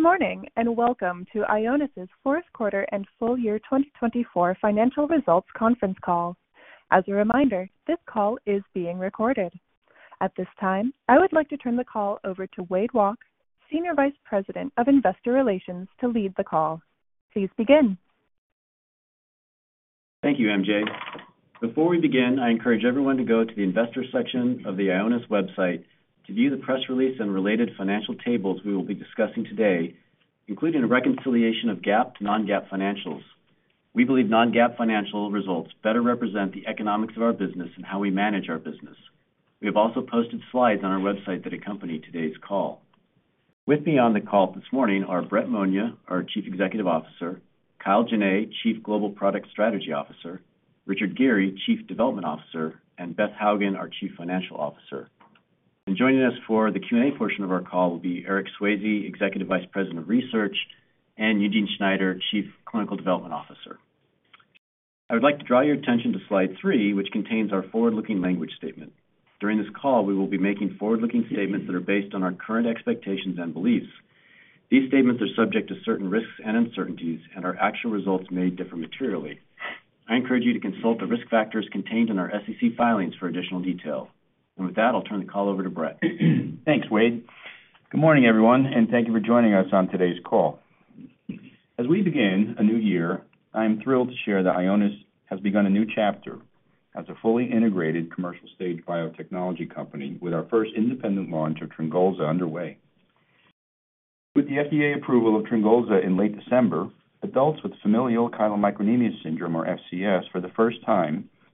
Good morning and welcome to Ionis Q4 and full year 2024 financial results conference call. As a reminder, this call is being recorded at this time. I would like to turn the call over to Wade Walke, Senior Vice President of Investor Relations to lead the call. Please begin. Thank you, M.J. Before we begin, I encourage everyone to go to the Investors section of the Ionis website to view the press release and related financial tables we will be discussing today, including a reconciliation of GAAP to non-GAAP financials. We believe non-GAAP financial results better represent the economics of our business and how we manage our business. We have also posted slides on our website that accompany today's call. With me on the call this morning. Are Brett Monia, our Chief Executive Officer, Kyle Gano, Chief Global Product Strategy Officer, Richard Geary, Chief Development Officer, and Beth Hougen, our Chief Financial Officer. And joining us for the Q and. A portion of our call will be. Eric Swayze, Executive Vice President of Research and Eugene Schneider, Chief Clinical Development Officer. I would like to draw your attention. To slide 3, which contains our forward-looking language statement. During this call we will be making forward-looking statements that are based on our current expectations and beliefs. These statements are subject to certain risks. Uncertainties and our actual results may differ materially. I encourage you to consult the risk factors contained in our SEC filings for additional detail and with that, I'll turn. The call over to Brett. Thanks, Wade. Good morning everyone and thank you for joining us on today's call. As we begin a new year, I am thrilled to share that Ionis has begun a new chapter as a fully integrated commercial-stage biotechnology company with our first independent launch of Tringolza underway with the FDA approval of Tringolza in late December, adults with Familial Chylomicronemia Syndrome, or FCS for the first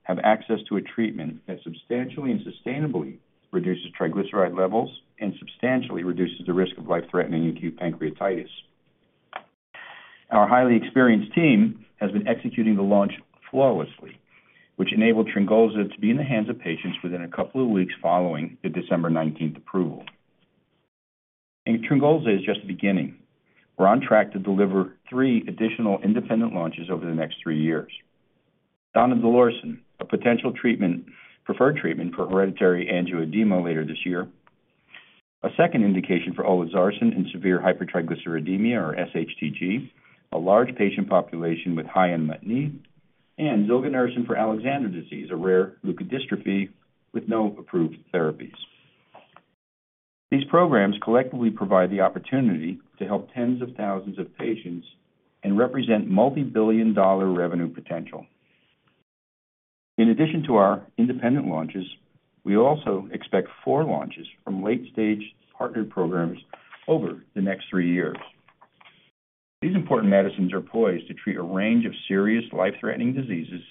have access to a treatment that substantially and sustainably reduces triglyceride levels and substantially reduces the risk of life-threatening acute pancreatitis. Our highly experienced team has been executing the launch flawlessly, which enabled Tringolza to be in the hands of patients within a couple of weeks. Following the December 19 approval, Tringolza is just beginning. We're on track to deliver three additional independent launches over the next three years. Donidalorsen, a potential preferred treatment for hereditary angioedema later this year, a second indication for olezarsen in severe hypertriglyceridemia or SHTG, a large patient population with high unmet need, and zilganersen for Alexander disease, a rare leukodystrophy with no approved therapies. These programs collectively provide the opportunity to help tens of thousands of patients and represent multibillion-dollar revenue potential. In addition to our independent launches, we also expect four launches from late stage partner programs over the next three years. These important medicines are poised to treat a range of serious life-threatening diseases,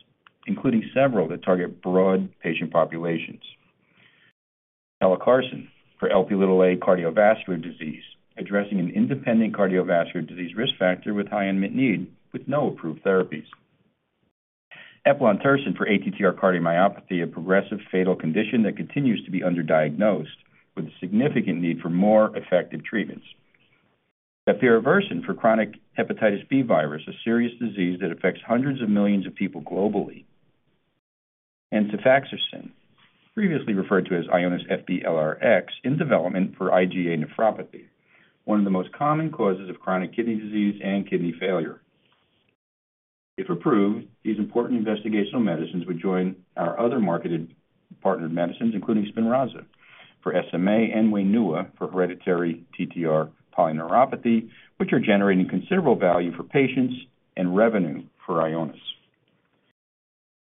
including several that target broad patient populations. Pelacarsen for Lp(a) cardiovascular disease addressing an independent cardiovascular disease risk factor with high unmet need with no approved therapies. Eplontersen for ATTR cardiomyopathy, a progressive fatal condition that continues to be underdiagnosed with a significant need for more effective treatments. Bepirovirsen for chronic hepatitis B virus, a serious disease that affects hundreds of millions of people globally. And IONIS-FB-LRx, previously referred to as IONIS-FB-LRx in development for IgA nephropathy, one of the most common causes of chronic kidney disease and kidney failure. If approved, these important investigational medicines would join our other marketed partnered medicines including Spinraza for SMA and Wainua for hereditary TTR polyneuropathy, which are generating considerable value for patients and revenue for Ionis.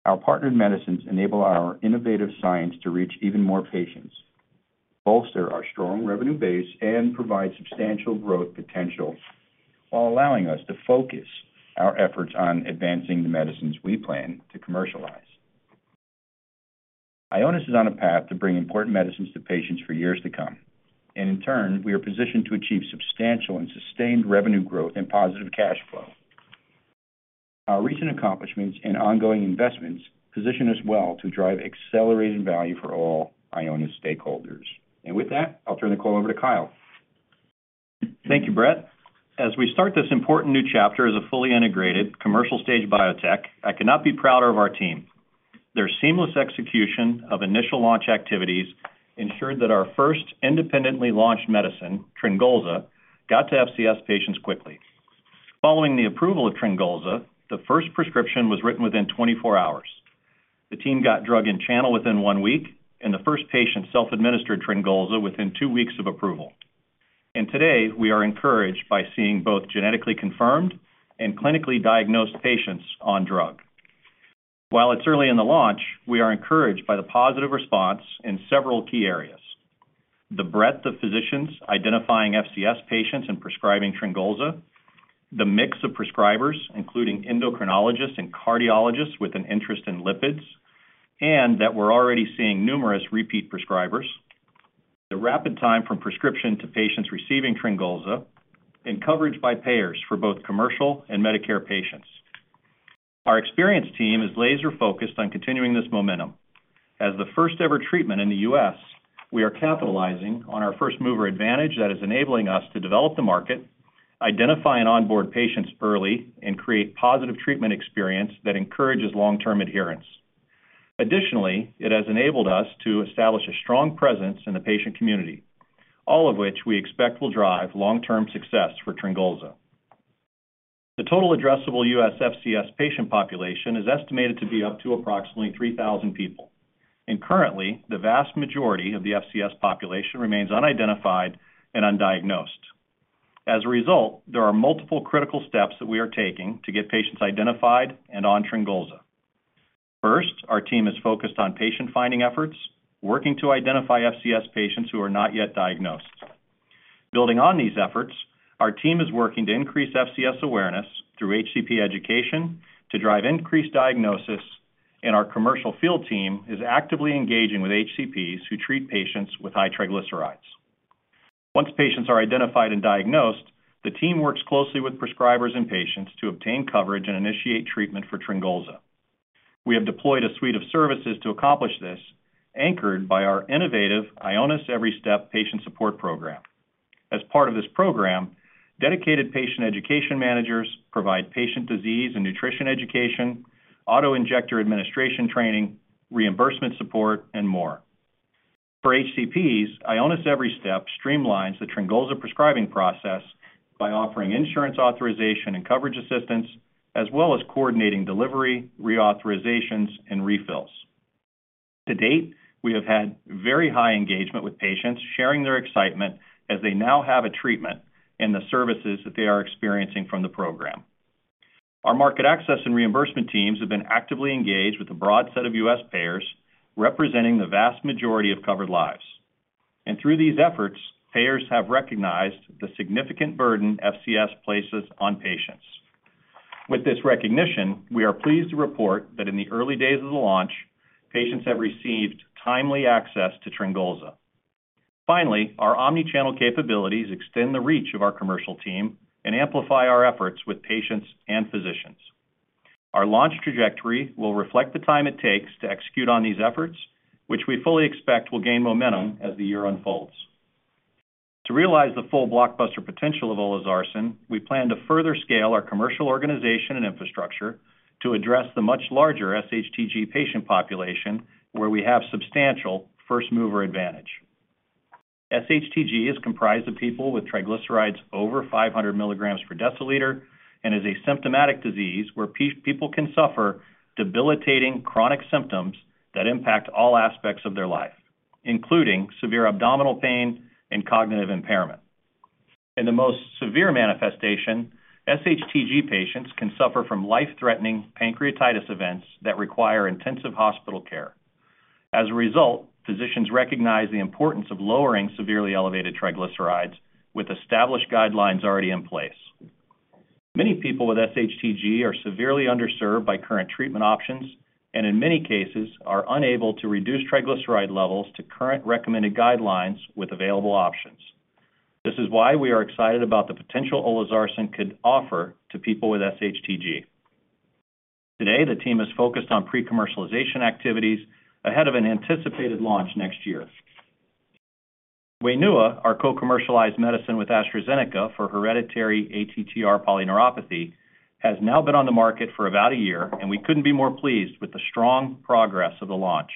Our partnered medicines enable our innovative science to reach even more patients, bolster our strong revenue base and provide substantial growth potential while allowing us to focus our efforts on advancing the medicines we plan to commercialize. Ionis is on a path to bring important medicines to patients for years to come and in turn we are positioned to achieve substantial and sustained revenue growth and positive cash flow. Our recent accomplishments and ongoing investments position us well to drive accelerated value for all Ionis's stakeholders and with that I'll turn the call over to Kyle. Thank you, Brett. As we start this important new chapter. As a fully integrated commercial stage biotech. I cannot be prouder of our team. Their seamless execution of initial launch activities ensured that our first independently launched medicine, Tringolza, got to FCS patients quickly. Following the approval of Tringolza, the first prescription was written within 24 hours, the team got drug in channel within one week, and the first patient self-administered Tringolza within two weeks of approval, and today we are encouraged by seeing both genetically confirmed and clinically diagnosed patients on drug. While it's early in the launch, we are encouraged by the positive response in several key areas, the breadth of physicians identifying FCS patients and prescribing Tringolza, the mix of prescribers including endocrinologists and cardiologists with an interest in lipids, and that we're already seeing numerous repeat prescribers, the rapid time from prescription to patients receiving Tringolza, and coverage by payers for both commercial and Medicare patients. Our experienced team is laser focused on continuing this momentum. As the first ever treatment in the U.S. we are capitalizing on our first mover advantage that is enabling us to develop the market identifying onboard patients early and create positive treatment experience that encourages long term adherence. Additionally, it has enabled us to establish a strong presence in the patient community, all of which we expect will drive long term success for Tringolza. The total addressable U.S. FCS patient population is estimated to be up to approximately 3,000 people and currently the vast majority of the FCS population remains unidentified and undiagnosed. As a result, there are multiple critical steps that we are taking to get patients identified and on Tringolza. First, our team is focused on patient finding efforts working to identify FCS patients who are not yet diagnosed. Building on these efforts, our team is working to increase FCS awareness through HCP education to drive increased diagnosis and our commercial field team is actively engaging with HCPs who treat patients with high triglycerides. Once patients are identified and diagnosed, the team works closely with prescribers and patients to obtain coverage and initiate treatment for Tringolza. We have deployed a suite of services to accomplish this, anchored by our innovative Ionis Every Step Patient Support program. As part of this program, dedicated patient education managers provide patient disease and nutrition education, autoinjector administration training, reimbursement support and more for HCPs. Ionis Every Step streamlines the Tringolza prescribing process by offering insurance authorization and coverage assistance as well as coordinating delivery, reauthorizations and refills. To date, we have had very high engagement with patients, sharing their excitement as they now have a treatment and the services that they are experiencing from the program. Our market access and reimbursement teams have been actively engaged with a broad set of U.S. payers representing the vast majority of covered lives and through these efforts payers have recognized the significant burden FCS places on patients. With this recognition, we are pleased to report that in the early days of the launch, patients have received timely access to Tringolza. Finally, our omnichannel capabilities extend the reach of our commercial team and amplify our efforts with patients and physicians. Our launch trajectory will reflect the time it takes to execute on these efforts, which we fully expect will gain momentum as the year unfolds. To realize the full blockbuster potential of olezarsen, we plan to further scale our commercial organization and infrastructure to address the much larger SHTG patient population where we have substantial first mover advantage. SHTG is comprised of people with triglycerides over 500 milligrams per deciliter and is a symptomatic disease where people can suffer debilitating chronic symptoms that impact all aspects of their life including severe abdominal pain and cognitive impairment. In the most severe manifestation, SHTG patients can suffer from life threatening pancreatitis events that require intensive hospital care. As a result, physicians recognize the importance of lowering severely elevated triglycerides. With established guidelines already in place, many people with SHTG are severely underserved by current treatment options and in many cases are unable to reduce triglyceride levels to current recommended guidelines with available options. This is why we are excited about the potential olezarsen could offer to people with SHTG. Today the team is focused on pre-commercialization activities ahead of an anticipated launch next year. Wainua, our co-commercialized medicine with AstraZeneca for hereditary ATTR polyneuropathy, has now been on the market for about a year and we couldn't be more pleased with the strong progress of the launch.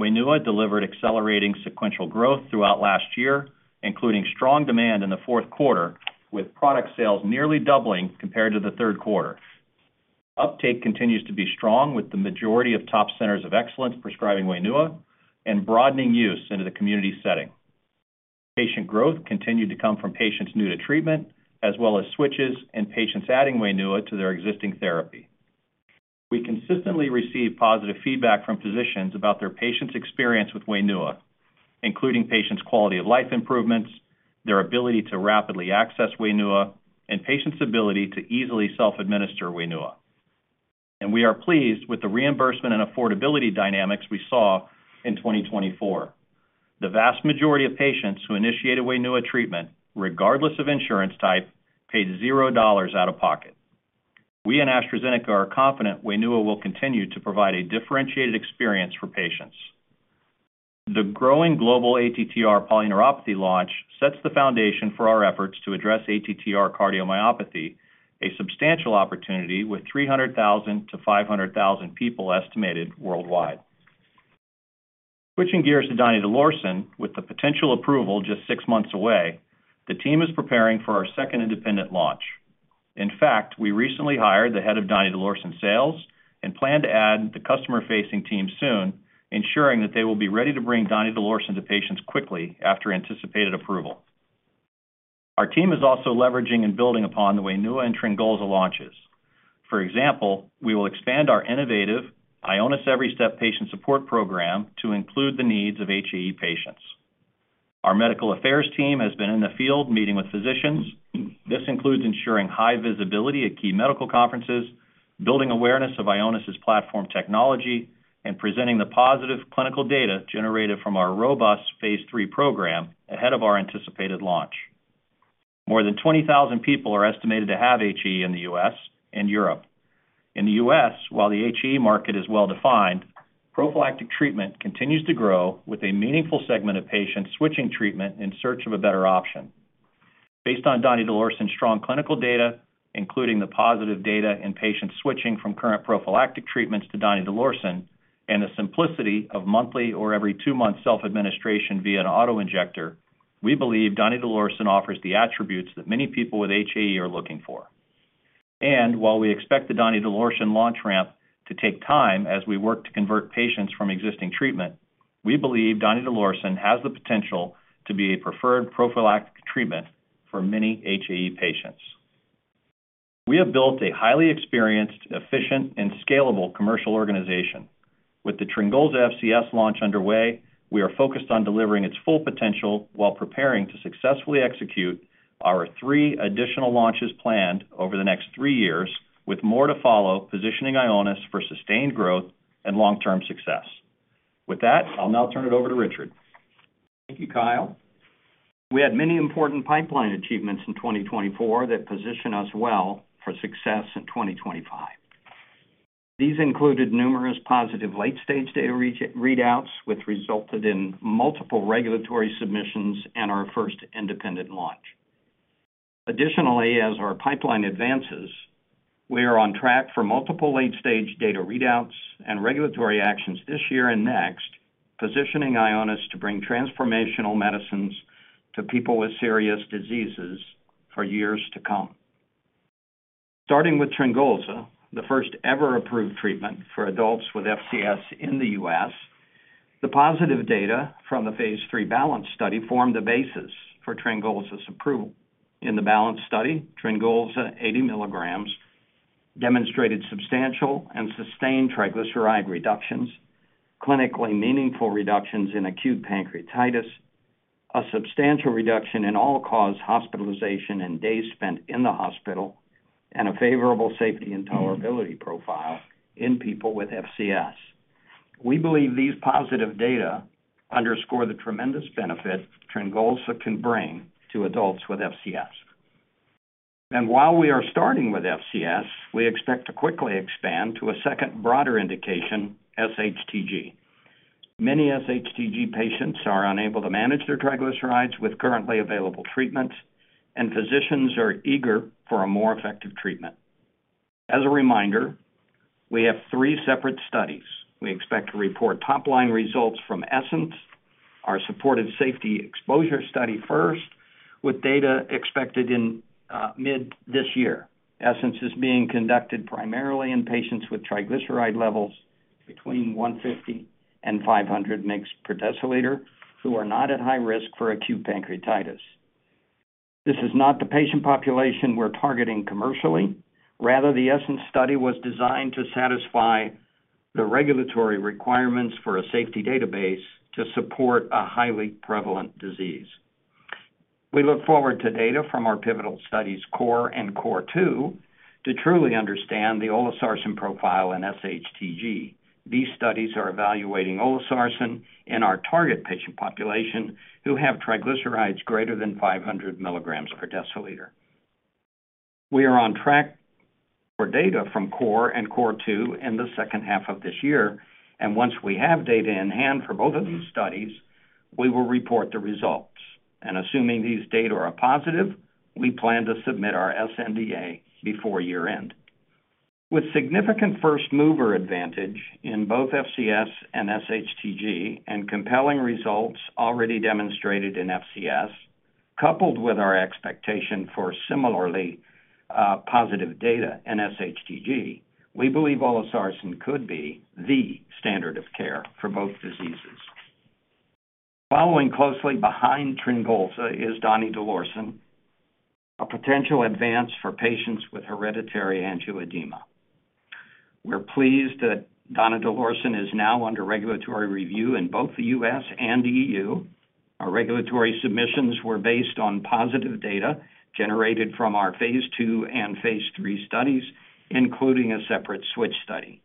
Wainua delivered accelerating sequential growth throughout last year including strong demand in the Q4 with product sales nearly doubling compared to the Q3. Uptake continues to be strong with the majority of top centers of excellence prescribing Wainua and broadening use into the community setting. Patient growth continued to come from patients new to treatment as well as switches in patients adding Wainua to their existing therapy. We consistently receive positive feedback from physicians about their patients' experience with Wainua including patients' quality of life improvements, their ability to rapidly access Wainua and patients' ability to easily self-administer Wainua, and we are pleased with the reimbursement and affordability dynamics we saw in 2024. The vast majority of patients who initiated Wainua treatment regardless of insurance type paid $0 out of pocket. We and AstraZeneca are confident Wainua will continue to provide a differentiated experience for patients. The growing global ATTR polyneuropathy launch sets the foundation for our efforts to address ATTR cardiomyopathy, a substantial opportunity with 300,000-500,000 people estimated worldwide. Switching gears to donidalorsen with the potential approval just six months away, the team is preparing for our second independent launch. In fact, we recently hired the head of donidalorsen sales and plan to add the customer facing team soon, ensuring that they will be ready to bring donidalorsen to patients quickly after anticipated approval. Our team is also leveraging and building upon the way Wainua and Tringolza launches. For example, we will expand our innovative Ionis Every Step patient support program to include the needs of HAE patients. Our medical affairs team has been in the field meeting with physicians. This includes ensuring high visibility at key medical conferences, building awareness of Ionis platform technology and presenting the positive clinical data generated from our robust Phase 3 program. Ahead of our anticipated launch, more than 20,000 people are estimated to have HAE in the U.S. and Europe. In the U.S., while the HAE market is well defined, prophylactic treatment continues to grow with a meaningful segment of patients switching treatment in search of a better option. Based on donidalorsen's strong clinical data, including the positive data in patients switching from current prophylactic treatments to donidalorsen and the simplicity of monthly or every two month self administration via an autoinjector, we believe donidalorsen offers the attributes that many people with HAE are looking for. And while we expect the donidalorsen launch ramp to take time as we work to convert patients from existing treatment, we believe donidalorsen has the potential to be a preferred prophylactic treatment for many HAE patients. We have built a highly experienced, efficient and scalable commercial organization. With the Tringolza FCS launch underway, we are focused on delivering its full potential while preparing to successfully execute our three additional launches planned over the next three years. With more to follow, positioning Ionis for sustained growth and long-term success. With that, I'll now turn it over to Richard. Thank you Kyle. We had many important pipeline achievements in 2024 that position us well for success in 2025. These included numerous positive late stage data readouts which resulted in multiple regulatory submissions and our first independent launch. Additionally, as our pipeline advances, we are on track for multiple late stage data readouts and regulatory actions this year and next, positioning Ionis to bring transformational medicines to people with serious diseases for years to come. Starting with Tringolza, the first ever approved treatment for adults with FCS in the U.S. The positive data from the phase 3 BALANCE study formed the basis for Tringolza's approval. In the BALANCE study, Tringolza 80 mg demonstrated substantial and sustained triglyceride reductions, clinically meaningful reductions in acute pancreatitis, a substantial reduction in all-cause hospitalization and days spent in the hospital, and a favorable safety and tolerability profile in people with FCS. We believe these positive data underscore the tremendous benefit Tringolza can bring to adults with FCS, and while we are starting with FCS, we expect to quickly expand to a second, broader indication, SHTG. Many SHTG patients are unable to manage their triglycerides with currently available treatments and physicians are eager for a more effective treatment. As a reminder, we have three separate studies we expect to report top-line results from ESSENCE, our Supportive Safety Exposure study. First, with data expected in mid this year. ESSENCE is being conducted primarily in patients with triglyceride levels between 150 and 500 milligrams per deciliter who are not at high risk for acute pancreatitis. This is not the patient population we're targeting commercially. Rather, the ESSENCE study was designed to satisfy the regulatory requirements for a safety database to support a highly prevalent disease. We look forward to data from our pivotal studies CORE and CORE2 to truly understand the olezarsen profile in SHTG. These studies are evaluating olezarsen in our target patient population who have triglycerides greater than 500 milligrams per deciliter. We are on track for data from CORE and CORE2 in the second half of this year and once we have data in hand for both of these studies we will report the results and assuming these data are positive, we plan to submit our SNDA before year end. With significant first mover advantage in both FCS and SHTG and compelling results already demonstrated in FCS, coupled with our expectation for similarly positive data in SHTG, we believe olezarsen could be the standard of care for both diseases. Following closely behind Tringolza is donidalorsen, a potential advance for patients with hereditary angioedema. We're pleased that donidalorsen is now under regulatory review in both the U.S. and EU. Our regulatory submissions were based on positive data generated from our Phase 2 and Phase 3 studies, including a separate switch study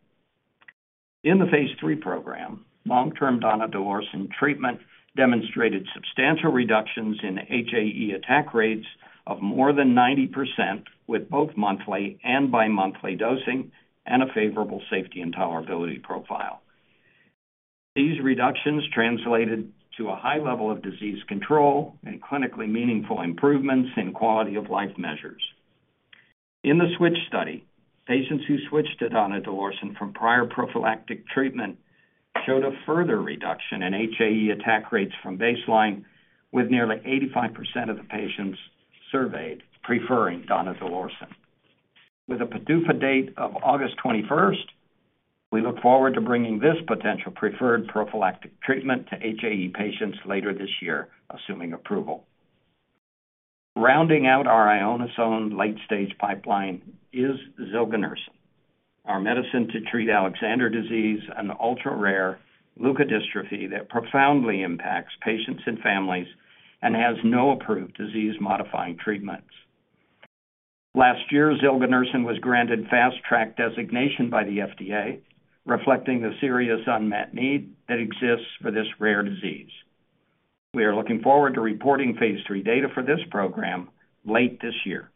in the Phase 3 program. Long-term donidalorsen treatment demonstrated substantial reductions in HAE attack rates of more than 90% with both monthly and bimonthly dosing and a favorable safety and tolerability profile. These reductions translated to a high level of disease control and clinically meaningful improvements in quality of life measures. In the SWITCH study, patients who switched to donidalorsen from prior prophylactic treatment showed a further reduction in HAE attack rates from baseline, with nearly 85% of the patients surveyed preferring donidalorsen with a PDUFA date of August 21st. We look forward to bringing this potential preferred prophylactic treatment to HAE patients later this year assuming approval. Rounding out our Ionis' late-stage pipeline is zilganersen, our medicine to treat Alexander disease, an ultra-rare leukodystrophy that profoundly impacts patients and families and has no approved disease-modifying treatments. Last year, zilganersen was granted Fast Track designation by the FDA reflecting the serious unmet need that exists for this rare disease. We are looking forward to reporting Phase 3 data for this program late this year.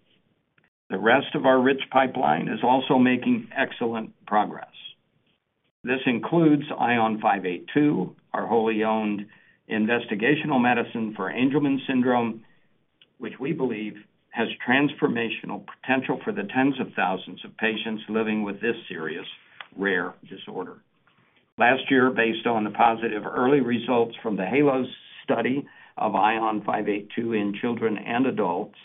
The rest of our rich pipeline is also making excellent progress. This includes ION582, our wholly owned investigational medicine for Angelman syndrome, which we believe has transformational potential for the tens of thousands of patients living with this serious rare disorder. Last year, based on the positive early results from the HALO study of ION582 in children and adults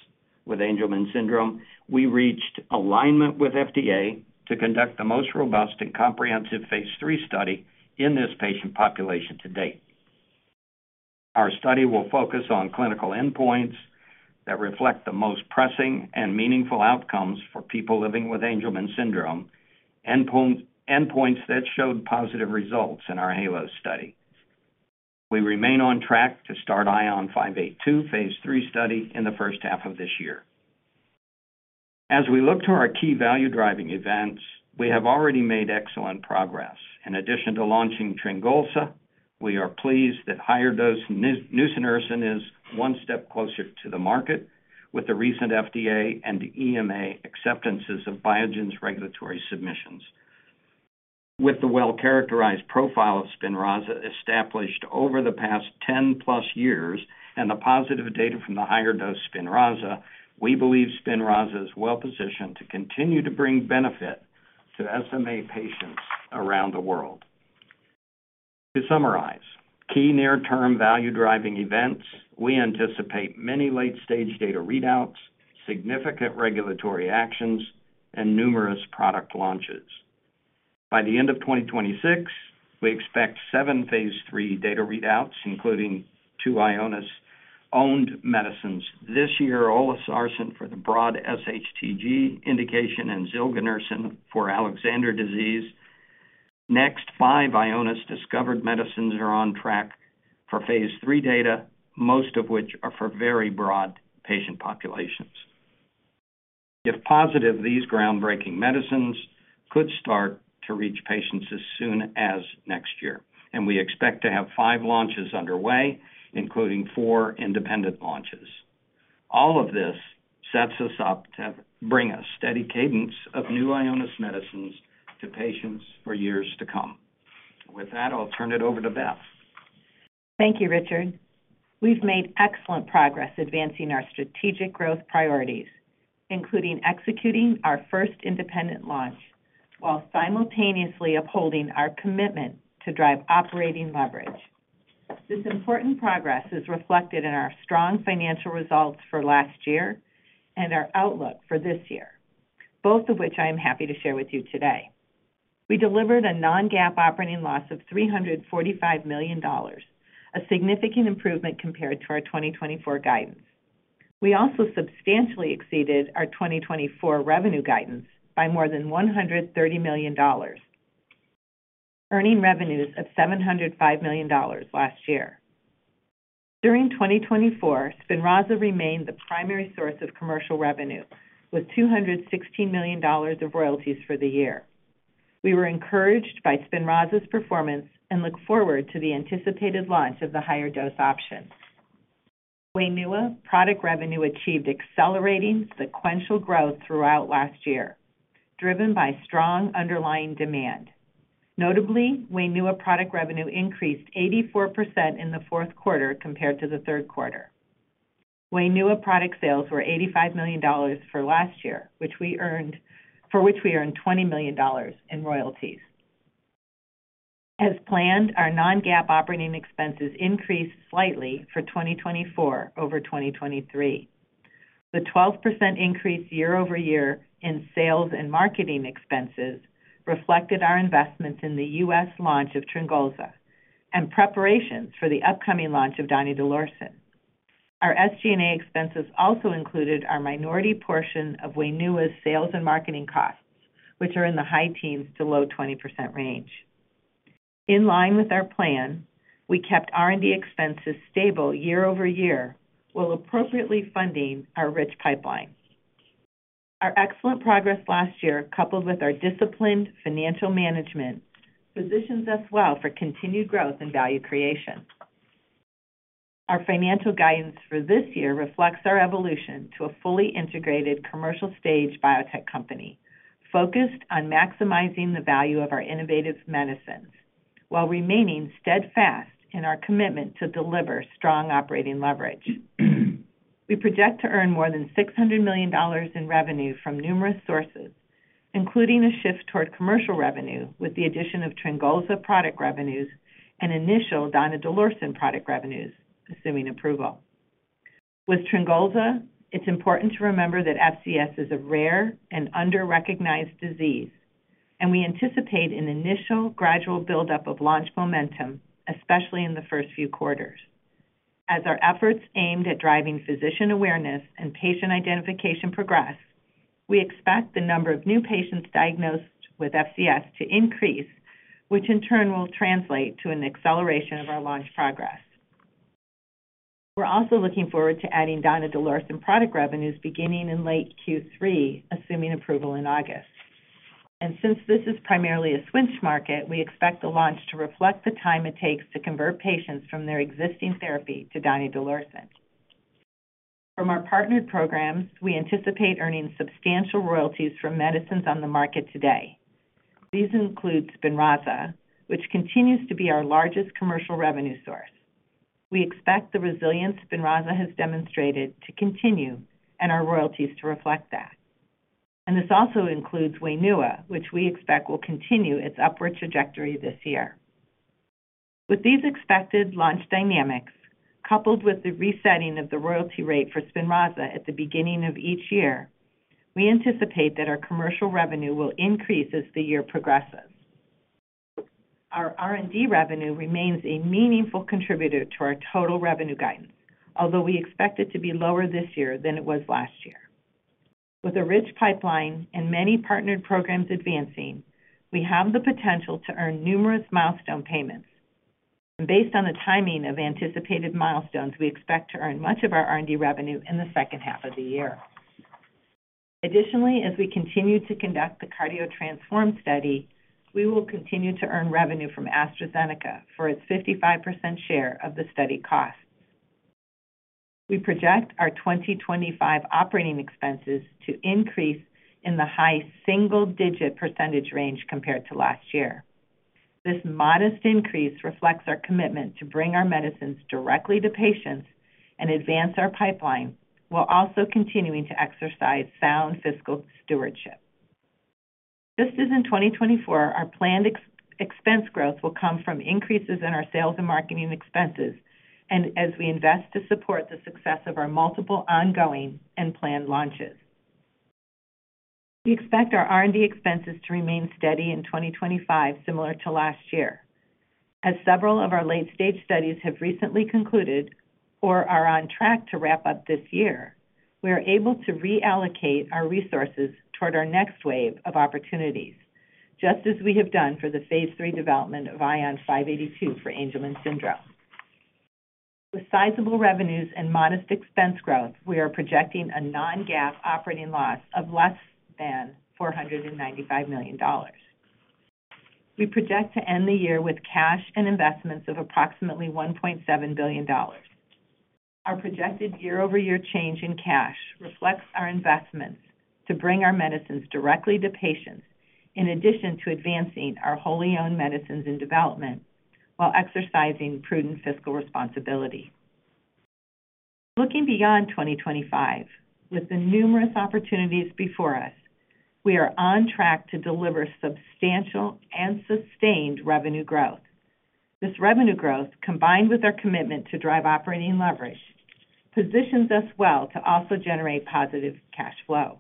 with Angelman syndrome, we reached alignment with FDA to conduct the most robust and comprehensive phase 3 study in this patient population to date. Our study will focus on clinical endpoints that reflect the most pressing and meaningful outcomes for people living with Angelman syndrome, endpoints that showed positive results in our HALO study. We remain on track to start ION582 phase 3 study in the first. Half of this year as we look. To our key value driving events, we have already made excellent progress. In addition to launching Tringolza, we are pleased that higher dose nusinersen is one step closer to the market with the recent FDA and EMA acceptances of Biogen's regulatory submissions. With the well characterized profile of Spinraza established over the past 10 plus years and the positive data from the higher dose Spinraza, we believe Spinraza is well positioned to continue to bring benefit to SMA patients around the world. To summarize key near term value driving events, we anticipate many late-stage data readouts, significant regulatory actions and numerous product launches. By the end of 2026 we expect seven phase 3 data readouts including two Ionis owned medicines this year, olezarsen for the broad SHTG indication and zilganersen for Alexander disease. Next, five Ionis discovered medicines are on track for phase 3 data, most of which are for very broad patient populations. If positive, these groundbreaking medicines could start to reach patients as soon as next year and we expect to have five launches underway including four independent launches. All of this sets us up to bring a steady cadence of new Ionis medicines to patients for years to come. With that, I'll turn it over to Beth. Thank you, Richard. We've made excellent progress advancing our strategic growth priorities, including executing our first independent launch, while simultaneously upholding our commitment to drive operating leverage. This important progress is reflected in our strong financial results for last year and our outlook for this year, both of which I am happy to share with you today. We delivered a non-GAAP operating loss of $345 million, a significant improvement compared to our 2024 guidance. We also substantially exceeded our 2024 revenue guidance by more than $130 million, earning revenues of $705 million last year. During 2024, Spinraza remained the primary source of commercial revenue with $216 million of royalties for the year. We were encouraged by Spinraza's performance and look forward to the anticipated launch of the higher dose option. Wainua product revenue achieved accelerating sequential growth throughout last year driven by strong underlying demand. Notably, Wainua product revenue increased 84% in the Q4 compared to the Q3. Wainua product sales were $85 million for last year, for which we earned $20 million in royalties. As planned, our non-GAAP operating expenses increased slightly for 2024 over 2023. The 12% increase year over year in sales and marketing expenses reflected our investments in the U.S. launch of Tringolza and preparations for the upcoming launch of donidalorsen. Our SG&A expenses also included our minority portion of Wainua's sales and marketing costs, which are in the high teens to low 20% range. In line with our plan, we kept R&D expenses stable year over year while appropriately funding our rich pipeline. Our excellent progress last year, coupled with our disciplined financial management, positions us well for continued growth and value creation. Our financial guidance for this year reflects our evolution to a fully integrated commercial stage biotech company focused on maximizing the value of our innovative medicines while remaining steadfast in our commitment to deliver strong operating leverage. We project to earn more than $600 million in revenue from numerous sources, including a shift toward commercial revenue with the addition of Tringolza product revenues and initial donidalorsen product revenues assuming approval with Tringolza. It's important to remember that FCS is a rare and underrecognized disease and we anticipate an initial gradual buildup of launch momentum, especially in the first few quarters. As our efforts aimed at driving physician awareness and patient identification progress, we expect the number of new patients diagnosed with FCS to increase, which in turn will translate to an acceleration of our launch progress. We're also looking forward to adding donidalorsen product revenues beginning in late Q3, assuming approval in August, and since this is primarily a switch market, we expect the launch to reflect the time it takes to convert patients from their existing therapy to donidalorsen. From our partnered programs, we anticipate earning substantial royalties from medicines on the market today. These include Spinraza, which continues to be our largest commercial revenue source. We expect the resilience Spinraza has demonstrated to continue and our royalties to reflect that, and this also includes Wainua, which we expect will continue its upward trajectory this year. With these expected launch dynamics, coupled with the resetting of the royalty rate for Spinraza at the beginning of each year, we anticipate that our commercial revenue will increase as the year progresses. Our R&D revenue remains a meaningful contributor to our total revenue guidance, although we expect it to be lower this year than it was last year. With a rich pipeline and many partnered programs advancing, we have the potential to earn numerous milestone payments. Based on the timing of anticipated milestones, we expect to earn much of our R&D revenue in the second half of the year. Additionally, as we continue to conduct the CARDIO-TRANSFORM study, we will continue to earn revenue from AstraZeneca for its 55% share of the study costs. We project our 2025 operating expenses to increase in the high single digit percentage range compared to last year. This modest increase reflects our commitment to bring our medicines directly to patients and advance our pipeline while also continuing to exercise sound fiscal stewardship. Just as in 2024, our planned expense growth will come from increases in our sales and marketing expenses and as we invest to support the success of our multiple ongoing and planned launches. We expect our R&D expenses to remain steady in 2025 similar to last year as several of our late-stage studies have recently concluded or are on track to wrap up this year. We are able to reallocate our resources toward our next wave of opportunities just as we have done for the phase 3 development of ION582 for Angelman syndrome. With sizable revenues and modest expense growth, we are projecting a non-GAAP operating loss of less than $495 million. We project to end the year with cash and investments of approximately $1.7 billion. Our projected year over year change in cash reflects our investments to bring our medicines directly to patients in addition to advancing our wholly owned medicines and development while exercising prudent fiscal responsibility. Looking beyond 2025 with the numerous opportunities before us, we are on track to deliver substantial and sustained revenue growth. This revenue growth combined with our commitment to drive operating leverage positions us well to also generate positive cash flow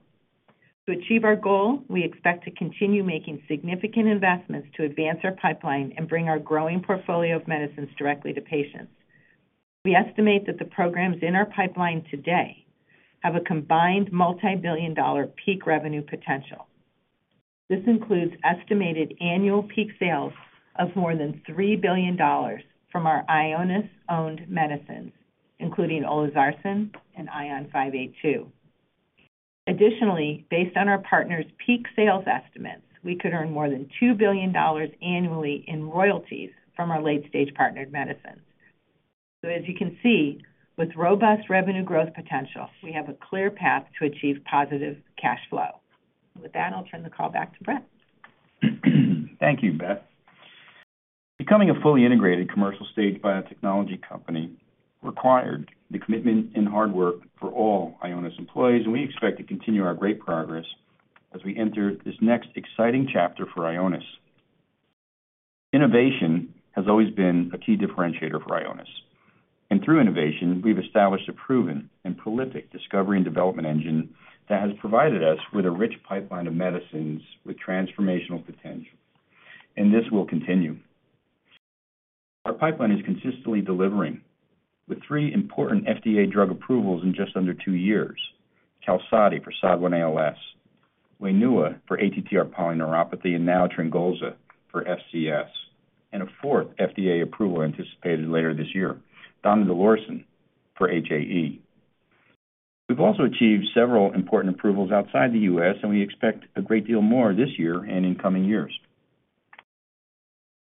to achieve our goal. We expect to continue making significant investments to advance our pipeline and bring our growing portfolio of medicines directly to patients. We estimate that the programs in our pipeline today have a combined multi-billion-dollar peak revenue potential. This includes estimated annual peak sales of more than $3 billion from our Ionis-owned medicines including olezarsen and ION582. Additionally, based on our partners' peak sales estimates, we could earn more than $2 billion annually in royalties from our late-stage partnered medicines. As you can see, with robust revenue growth potential we have a clear path to achieve positive cash flow. With that I'll turn the call back to Brett. Thank you, Beth. Becoming a fully integrated commercial stage biotechnology company required the commitment and hard work for all Ionis employees and we expect to continue our great progress as we enter this next exciting chapter for Ionis. Innovation has always been a key differentiator for Ionis and through innovation we've established a proven and prolific discovery and development engine that has provided us with a rich pipeline of medicines with transformational potential and this will continue. Our pipeline is consistently delivering with three important FDA drug approvals in just under two years. Qalsody for SOD1-ALS, Wainua for ATTR polyneuropathy, and now Tringolza for FCS, and a fourth FDA approval anticipated later this year, donidalorsen for HAE. We've also achieved several important approvals outside the U.S. and we expect a great deal more this year and in coming years.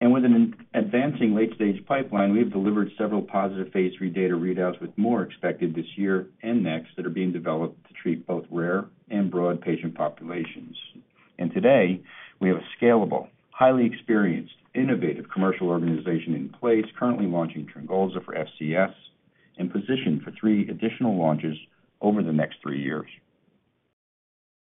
And with an advancing late-stage pipeline, we have delivered several positive phase three data readouts with more expected this year and ASOs that are being developed to treat both rare and broad patient populations. And today we have a scalable, highly experienced, innovative commercial organization in place currently launching Tringolza for FCS and positioned for three additional launches over the next three years.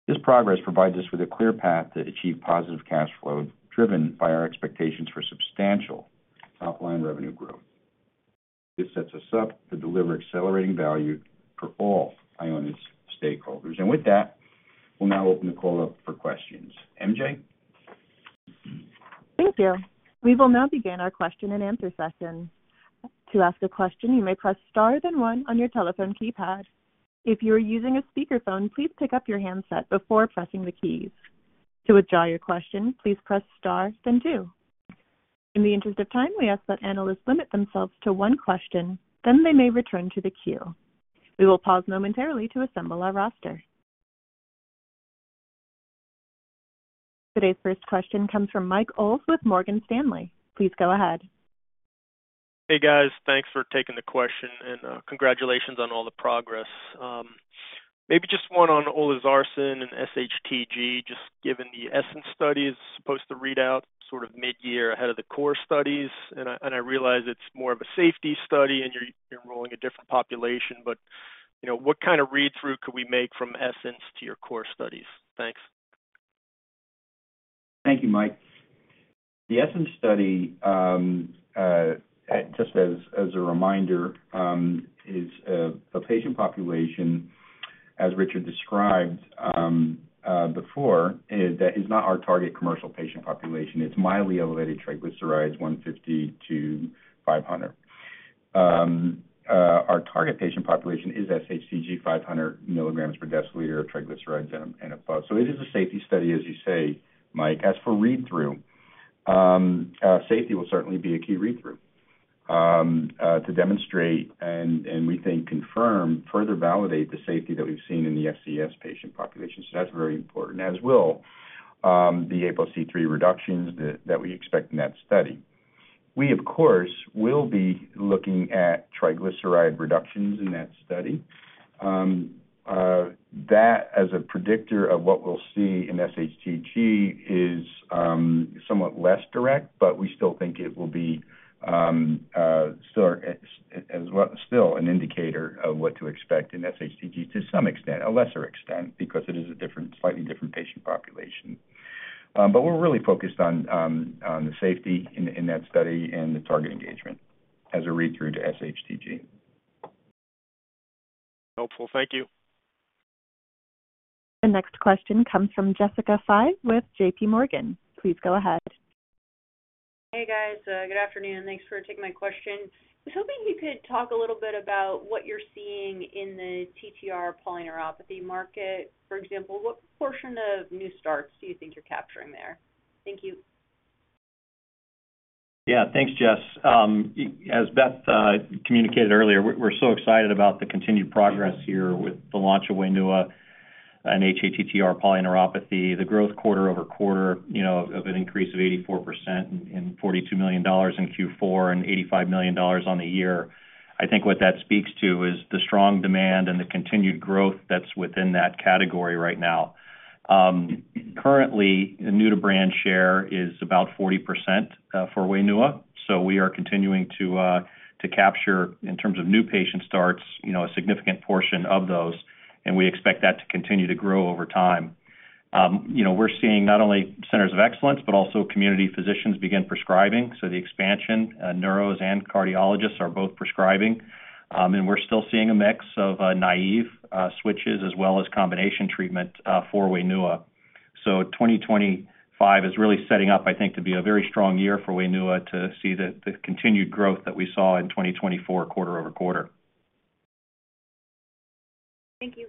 This progress provides us with a clear path to achieve positive cash flow driven by our expectations for substantial top-line revenue growth. This sets us up to deliver accelerating value for all Ionis stakeholders. And with that we'll now open the call up for questions. MJ. Thank you. We will now begin our question and answer session. To ask a question, you may press star, then one on your telephone keypad. If you are using a speakerphone, please pick up your handset before pressing the keys. To withdraw your question, please press star, then two. In the interest of time, we ask that analysts limit themselves to one question. Then they may return to the queue. We will pause momentarily to assemble our roster. Today's first question comes from Mike Ulz with Morgan Stanley. Please go ahead. Hey guys, thanks for taking the question and congratulations on all the progress. Maybe just one on olezarsen and SHTG. Just given the ESSENCE study is supposed to read out sort of mid year ahead of the core studies and I realize it's more of a safety study and you're enrolling a different population, but what kind of read through could we make from ESSENCE to your core studies? Thanks. Thank you, Mike. The ESSENCE study. Just as a reminder, is the patient population as Richard described before? That is not our target commercial patient population. It's mildly elevated triglycerides, 150 to 500. Our target patient population is SHTG, 500 milligrams per deciliter of triglycerides and above. So it is a safety study as you say, Mike. As for read-through. Safety will certainly be a key read through to demonstrate and we think confirm, further validate the safety that we've seen in the FCS patient population. So that's very important, as will the ApoC-III reductions that we expect in that study. We of course will be looking at triglyceride reductions in that study. That as a predictor of what we'll see in SHTG is somewhat less direct, but we still think it will be. Still an indicator of what to expect in SHTG to some extent, a lesser extent because it is a slightly different patient population, but we're really focused on the safety in that study and the target engagement as a read through to SHTG. Helpful. Thank you. The next question comes from Jessica Fye with J.P. Morgan. Please go ahead. Hey guys, good afternoon. Thanks for taking my question. I was hoping you could talk a little bit about what you're seeing in the TTR polyneuropathy market. For example, what proportion of new starts do you think you're capturing there? Thank you. Yeah, thanks, Jess. As Beth communicated earlier, we're so excited about the continued progress here with the launch of Wainua in hATTR polyneuropathy. The growth quarter over quarter of an increase of 84% in $42 million in Q4 and $85 million on the year. I think what that speaks to is the strong demand and the continued growth that's within that category right now. Currently new brand share is about 40% for Wainua. So we are continuing to capture in terms of new patient starts a significant portion of those, and we expect that to continue to grow over time. We're seeing not only centers of excellence but also community physicians begin prescribing. So neurologists and cardiologists are both prescribing. We're still seeing a mix of naive switches as well as combination treatment for Wainua. 2025 is really setting up, I think, to be a very strong year for Wainua to see the continued growth that we saw in 2024, quarter over quarter. Thank you.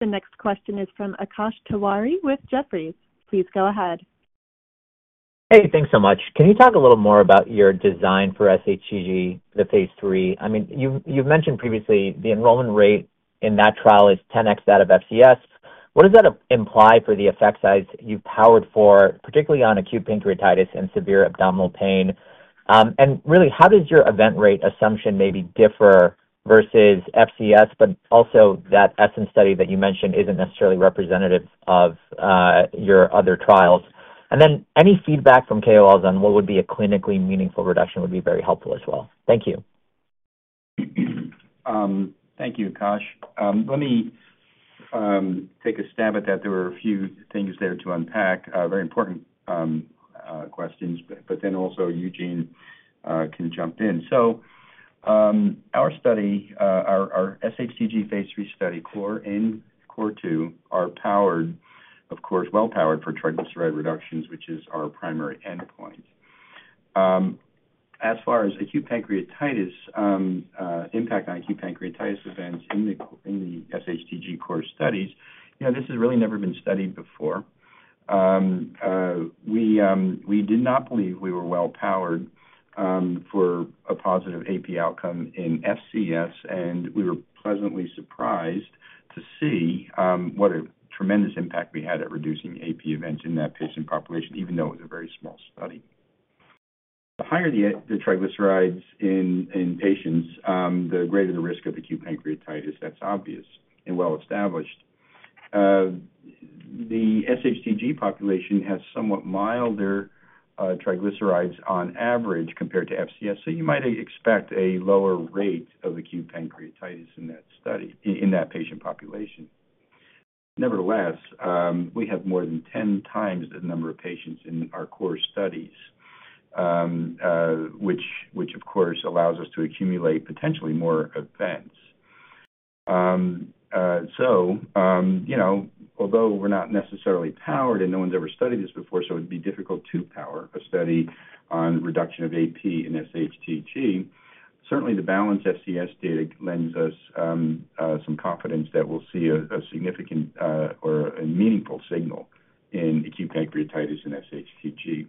The next question is from Akash Tewari with Jefferies. Please go ahead. Hey, thanks so much. Can you talk a little more about your design for SHTG phase 3? I mean, you've mentioned previously the enrollment rate in that trial is 10x that of FCS. What does that imply for the effect size you've powered for, particularly on acute pancreatitis and severe abdominal pain? And really, how does your event rate assumption maybe differ versus FCS, but also that ESSENCE study that you mentioned isn't necessarily representative of your other trials. And then any feedback from KOLs on what would be a clinically meaningful reduction would be very helpful as well. Thank you. Thank you, Kash. Let me take a stab at that. There are a few things there to unpack, very important questions, but then also Eugene can jump in. So our study, our SHTG phase 3 study, CORE and CORE2 are powered, of course, well powered for triglyceride reductions, which is our primary endpoint. As far. Assess acute pancreatitis impact on acute pancreatitis events in the SHTG CORE studies. This has really never been studied before. We did not believe we were well powered for a positive AP outcome in FCS, and we were pleasantly surprised to see what a tremendous impact we had at reducing AP events in that patient population. Even though it was a very small study. The higher the triglycerides in patients, the greater the risk of acute pancreatitis. That's obvious and well established. The SHTG population has somewhat milder triglycerides on average compared to FCS. So you might expect a lower rate of acute pancreatitis in that study in that patient population. Nevertheless, we have more than 10 times the number of patients in our core studies. Which of course allows us to accumulate potentially more events. So, you know, although we're not necessarily powered and no one's ever studied this before, so it would be difficult to power a study on reduction of AP in SHTG. Certainly the BALANCE FCS data lends us some confidence that we'll see a significant or a meaningful signal in acute pancreatitis and SHTG.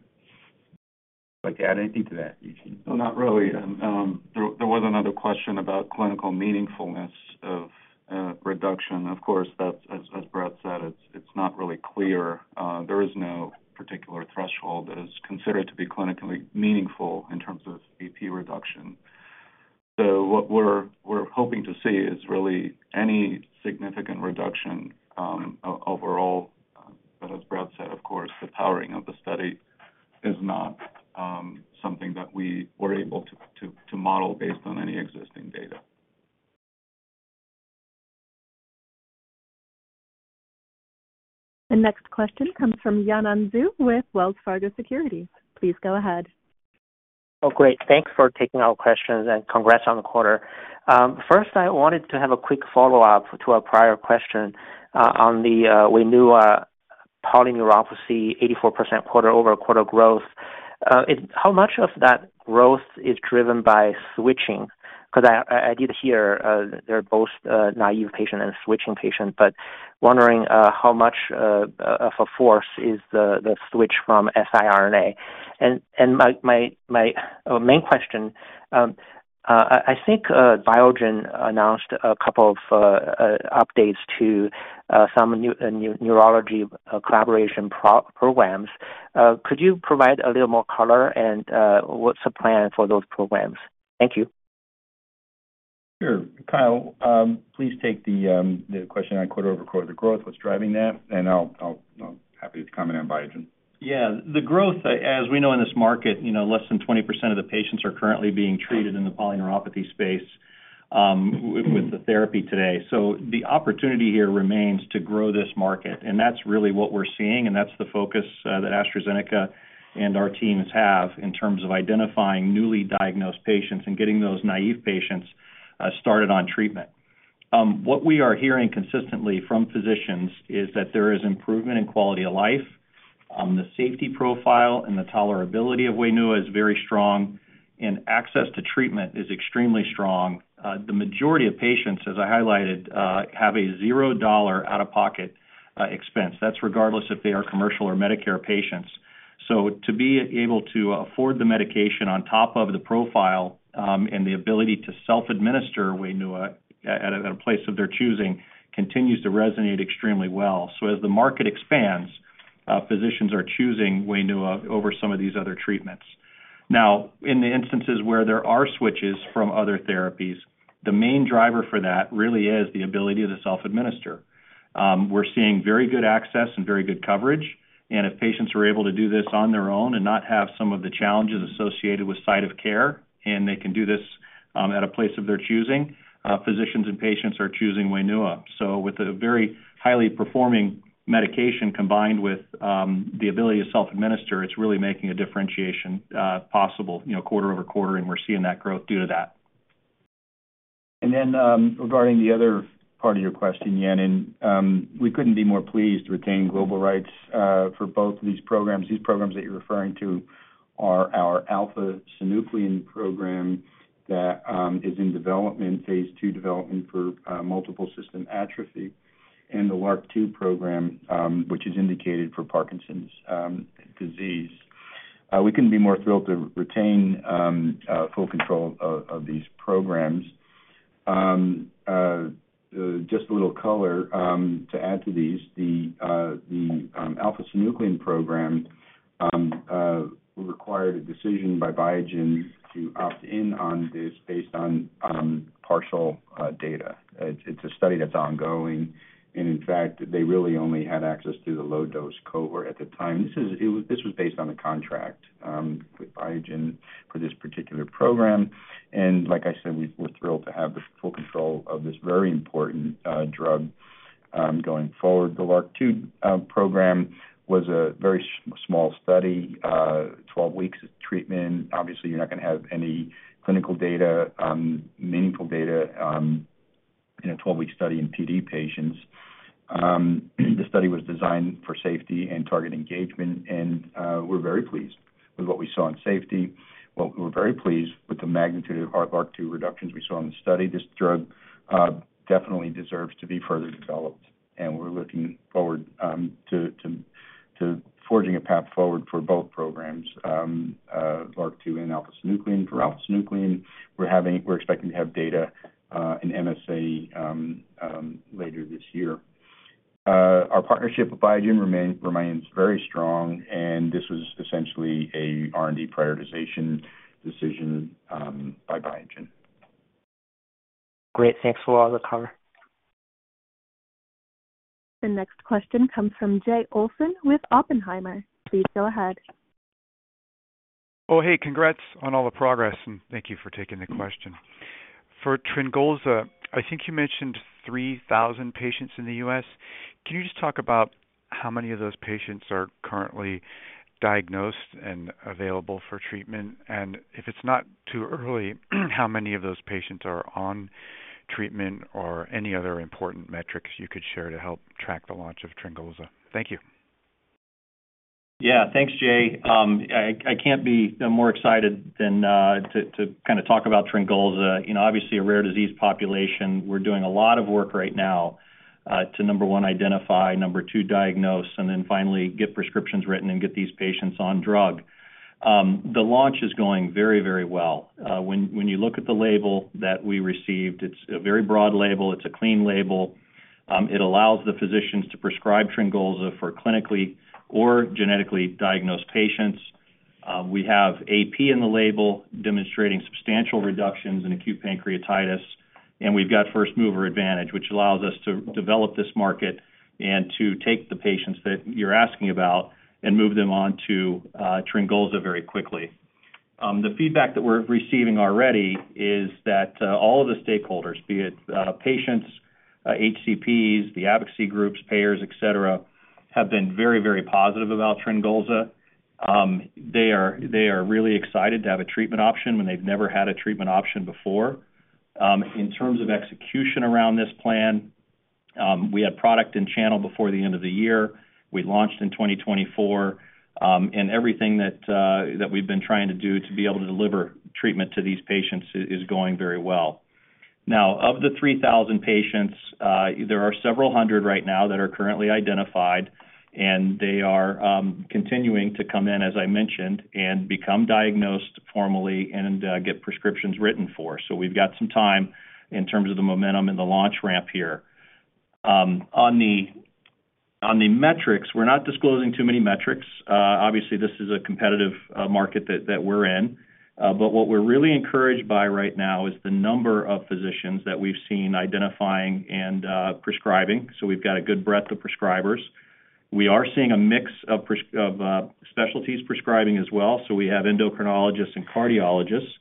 Like to add anything to that, Eugene? No, not really. There was another question about clinical meaningfulness of reduction. Of course that's as Brett said, it's not really clear. There is no particular threshold that is considered to be clinically meaningful in terms of BP reduction. So what we're hoping to see is really any significant reduction overall. But as Brad said, of course the powering of the study is not something that we were able to model based on any existing data. The next question comes from Yanan Zhu with Wells Fargo Securities. Please go ahead. Oh, great. Thanks for taking our questions and congrats on the quarter. First, I wanted to have a quick follow up to a prior question on the Wainua polyneuropathy. 84% quarter over quarter growth. How much of that growth is driven by switching? Because I did hear they're both naive patient and switching patient, but wondering how much of a force is the switch from patisiran. And my main question. I think Biogen announced a couple of updates to some neurology collaboration programs. Could you provide a little more color and what's the plan for those programs? Thank you. Sure. Kyle, please take the question on quarter over quarter growth. What's driving that? And I'll be happy to comment on Biogen. Yeah, the growth as we know in. This market, you know, less than 20% of the patients are currently being treated in the polyneuropathy space with the therapy today. So the opportunity here remains to grow this market and, and that's really what we're seeing. And that's the focus that AstraZeneca and our teams have in terms of identifying newly diagnosed patients and getting those naive patients started on treatment. What we are hearing consistently from physicians is that there is improvement in quality of life. The safety profile and the tolerability of Wainua is very strong and access to treatment is extremely strong. The majority of patients, as I highlighted, have a $0 out of pocket expense. That's regardless if they are commercial or Medicare patients. So to be able to afford the medication on top of the profile and the ability to self administer Wainua at a place of their choosing continues to resonate extremely well. So as the market expands, physicians are choosing Wainua over some of these other treatments. Now, in the instances where there are switches from other therapies, the main driver for that really is the ability to self administer. We're seeing very good access and very good coverage. And if patients are able to do this on their own and not have some of the challenges associated with site of care and they can do this at a place of their choosing. Physicians and patients are choosing Wainua. So with a very highly performing medication combined with the ability to self administer, it's really making a differentiation possible. You know, quarter over quarter and we're seeing that growth due to that. And then regarding the other part of your question, Yanan, we couldn't be more pleased to retain global rights for both of these programs. These programs that you're referring to are our alpha-synuclein program that is in development, phase two development for multiple system atrophy, and the LRRK2 program which is indicated for Parkinson's disease. We couldn't be more thrilled to retain full control of these programs. Just a little color to add to these. The alpha-synuclein program. required a decision by Biogen to opt in on this based on partial data. It's a study that's ongoing and in fact they really only had access to the low dose cohort at the time. This was based on the contract with Biogen for this particular program. And like I said, we're thrilled to have the full control of this very important drug going forward. The LRRK2 program was a very small study. 12 weeks of treatment, obviously you're not going to have any clinical data, meaningful data in a 12-week study in PD patients. The study was designed for safety and target engagement and we're very pleased with what we saw in safety. We're very pleased with the magnitude of heart LRRK2 reductions we saw in the study. This drug definitely deserves to be further developed and we're looking forward to forging a path forward for both programs, LRRK2 and alpha-synuclein. For alpha-synuclein, we're expecting to have data in MSA later this year. Our partnership with Biogen remains very strong and this was essentially a R&D prioritization decision by Biogen. Great. Thanks for all the COVID. The next question comes from Jay Olson with Oppenheimer. Please go ahead. Oh, hey, congrats on all the progress and thank you for taking the question for Tringolza. I think you mentioned 3,000 patients in the U.S. Can you just talk about how many of those patients are currently diagnosed and available for treatment and if it's not too early, how many of those patients are on treatment or any other important metrics you could share to help track the launch of Tringolza? Thank you. Yeah, thanks, Jay. I can't be more excited than to kind of talk about Tringolza, you know, obviously a rare disease population. We're doing a lot of work right now to, number one, identify number two, diagnose, and then finally get prescriptions written and get these patients on drugs. The launch is going very, very well. When you look at the label that we received, it's a very broad label, it's a clean label. It allows the physicians to prescribe Tringolza for clinically or genetically diagnosed patients. We have AP in the label demonstrating substantial reductions in acute pancreatitis, and we've got first mover advantage, which allows us to develop this market and to take the patients that you're asking about and move them on to Tringolza very quickly. The feedback that we're receiving already is that all of the stakeholders, be it patients, HCPs, the advocacy groups, payers, et cetera, have been very, very positive about Tringolza. They are really excited to have a treatment option when they've never had a treatment option before. In terms of execution around this plan, we had product in channel before the end of the year. We launched in 2024, and everything that we've been trying to do to be able to deliver treatment to these patients is going very well now. Of the 3,000 patients, there are several hundred right now that are currently identified and they are continuing to come in, as I mentioned, and become diagnosed formally and get prescriptions written for. So we've got some time in terms of the momentum in the launch ramp here. On the metrics. We're not disclosing too many metrics. Obviously, this is a competitive market that we're in. But what we're really encouraged by right now is the number of physicians that we've seen identifying and prescribing. So we've got a good breadth of prescribers. We are seeing a mix of specialties prescribing as well. So we have endocrinologists and cardiologists,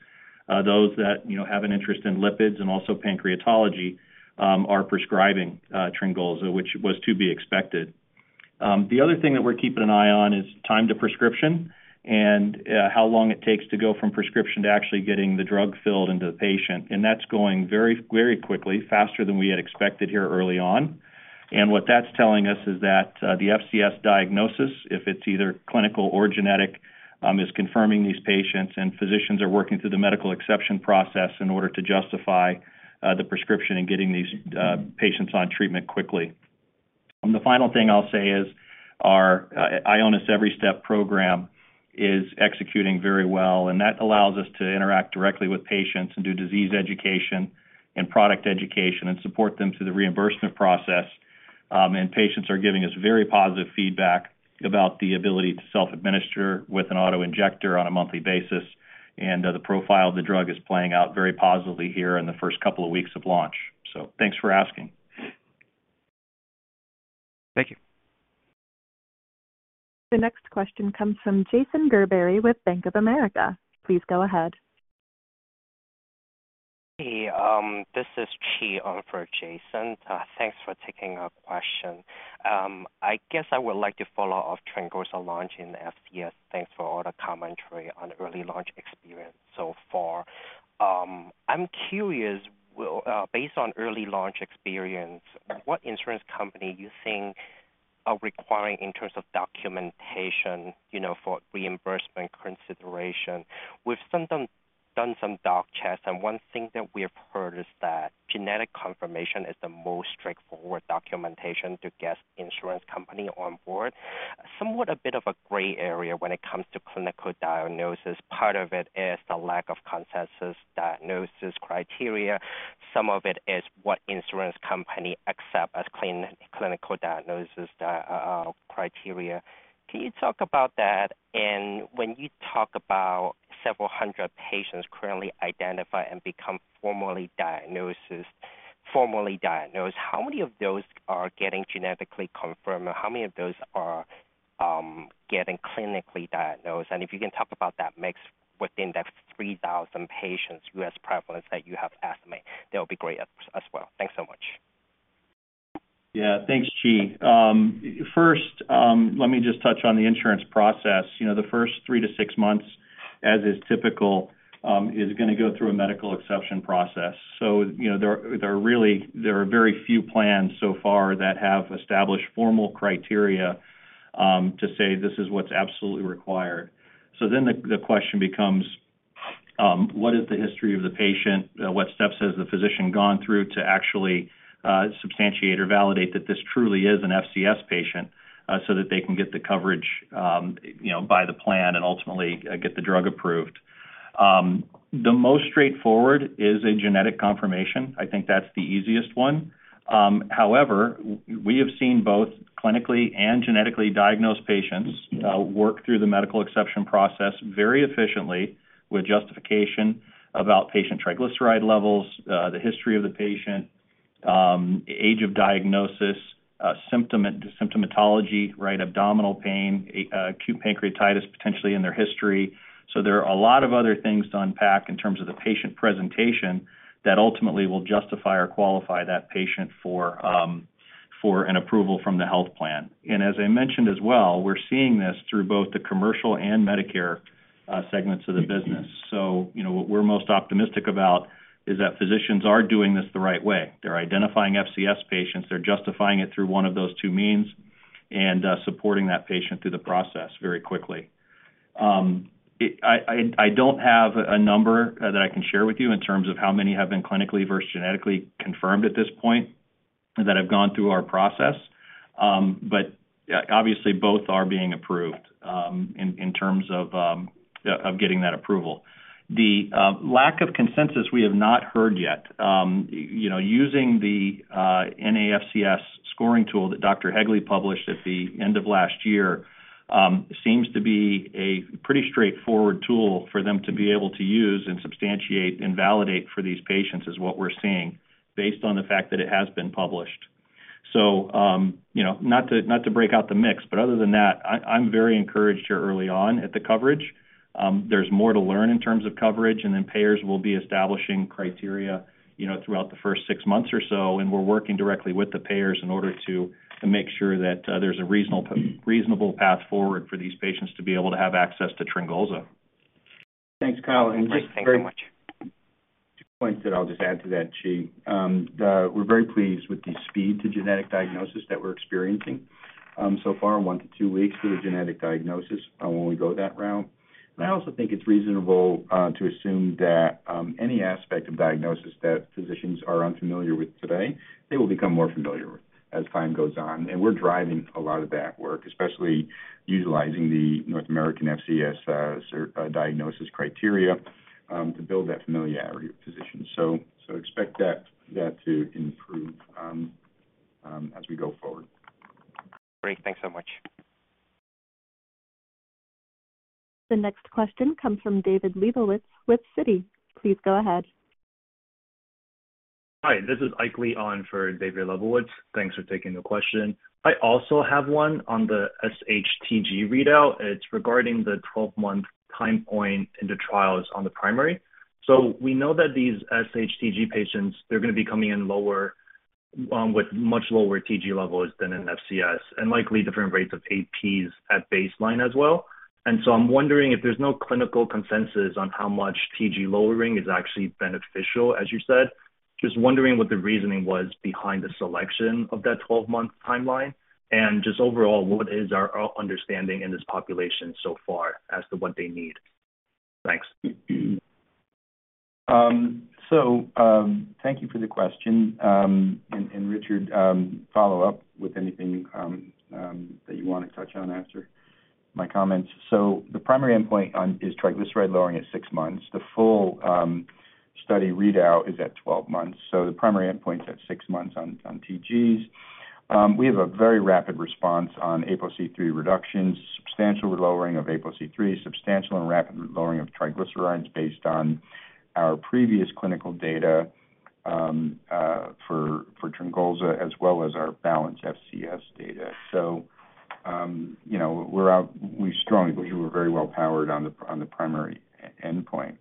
those that have an interest in lipids and also pancreatology, are prescribing Tringolza, which was to be expected. The other thing that we're keeping an eye on is time to prescription and how long it takes to go from prescription to actually getting the drug filled into the patient. And that's going very, very quickly, faster than we had expected here early on. And what that's telling us is that the FCS diagnosis, if it's either clinical or genetic, is confirming these patients. Physicians are working through the medical exception process in order to justify the prescription and getting these patients on treatment quickly. The final thing I'll say is our Ionis EveryStep program is executing very well and that allows us to interact directly with patients and do disease education and product education and support them through the reimbursement process. Patients are giving us very positive feedback about the ability to self-administer with an autoinjector on a monthly basis. The profile of the drug is playing out very positively here in the first couple of weeks of launch. Thanks for asking. Thank you. The next question comes from Jason Gerberry with Bank of America. Please go ahead. Hey, this is Chi on for Jason. Thanks for taking a question. I guess I would like to follow off Tringolza's launch in FCS. Thanks for all the commentary on early launch experience so far. I'm curious, based on early launch experience, what insurance companies you think are requiring in terms of documentation for reimbursement consideration? We've done some doc checks and one thing that we have heard is that genetic confirmation is the most straightforward documentation to get insurance companies onboard. It's somewhat a bit of a gray area when it comes to clinical diagnosis. Part of it is the lack of consensus diagnosis criteria. Some of it is what insurance companies accept as clinical diagnosis criteria. Can you talk about that? And when you talk about several hundred patients currently identified and formally diagnosed, how many of those are getting genetically confirmed? How many of those are getting clinically diagnosed? And if you can talk about that mix within that 3,000 patients U.S. prevalence that you have estimate, that would be great as well. Thanks so much. Yeah, thanks Chi. First, let me just touch on the insurance process. You know, the first three to six months, as is typical, is going to go through a medical exception process. So, you know, there are really very few plans so far that have established formal criteria to say this is what's absolutely required. So then the question becomes what is the history of the patient? What steps has the physician gone through to actually substantiate or validate that this truly is an FCS patient so that they can get the coverage, you know, by the plan and ultimately get the drug approved. The most straightforward is a genetic confirmation. I think that's the easiest one. However, we have seen both clinically and genetically diagnosed patients work through the medical exception process very efficiently with justification about patient triglyceride levels, the history of the patient, age of diagnosis, symptomatology, recurrent abdominal pain, acute pancreatitis, potentially in their history. So there are a lot of other things to unpack in terms of the patient presentation that ultimately will justify or qualify that patient for an approval from the health plan, and as I mentioned as well, we're seeing this through both the commercial and Medicare segments of the business. What we're most optimistic about is that physicians are doing this the right way. They're identifying FCS patients, they're justifying it through one of those two means and supporting that patient through the process. Very quickly. I don't have a number that I can share with you in terms of how many have been clinically versus genetically confirmed at this point that have gone through our process, but obviously both are being approved in terms of getting that approval. The lack of consensus we have not heard yet. Using the NAFCS scoring tool that Dr. Hegele published at the end of last year seems to be a pretty straightforward tool for them to be able to use and substantiate and validate for these patients, is what we're seeing based on the fact that it has been published. So, you know, not to break out the mix. But other than that, I'm very encouraged here. Early on at the coverage, there's more to learn in terms of coverage. And then payers will be establishing criteria, you know, throughout the first six months or so. We're working directly with the payers in order to make sure that there's a reasonable path forward for these patients to be able to have access to Tringolza. Thanks, Kyle, and thank you so much. Two points that I'll just add to that, Chi. We're very pleased with the speed to genetic diagnosis that we're experiencing so far. One to two weeks for the genetic diagnosis when we go that route. And I also think it's reasonable to assume that any aspect of diagnosis that physicians are unfamiliar with today, they will become more familiar with as time goes on. And we're driving a lot of that work, especially utilizing the North American FCS diagnosis criteria to build that familiarity with physicians. So expect that to improve. As we go forward. Great. Thanks so much. The next question comes from David Lebowitz with Citi. Please go ahead. Hi, this is Ilyas on for David Lebowitz. Thanks for taking the question. I also have one on the SHTG readout. It's regarding the 12 month time point in the trials on the primary. So we know that these SHTG patients, they're going to be coming in lower with much lower TG levels than an FCS and likely different rates of APs at baseline as well. And so I'm wondering if there's no clinical consensus on how much TG lowering is actually beneficial, as you said. Just wondering what the reasoning was behind the selection of that 12 month timeline and just overall, what is our understanding in this population so far as to what they need? Thanks. Thank you for the question. Richard, follow up with anything that you want to touch on after my comments. The primary endpoint is triglyceride lowering at six months. The full study readout is at 12 months. The primary endpoint is at six months on TGs. We have a very rapid response on ApoC-III reductions, substantial lowering of ApoC-III, substantial and rapid lowering of triglycerides based on our previous clinical data. For Tringolza as well as our BALANCE FCS data. So, you know, we're out. We strongly believe we're very well powered on the primary endpoint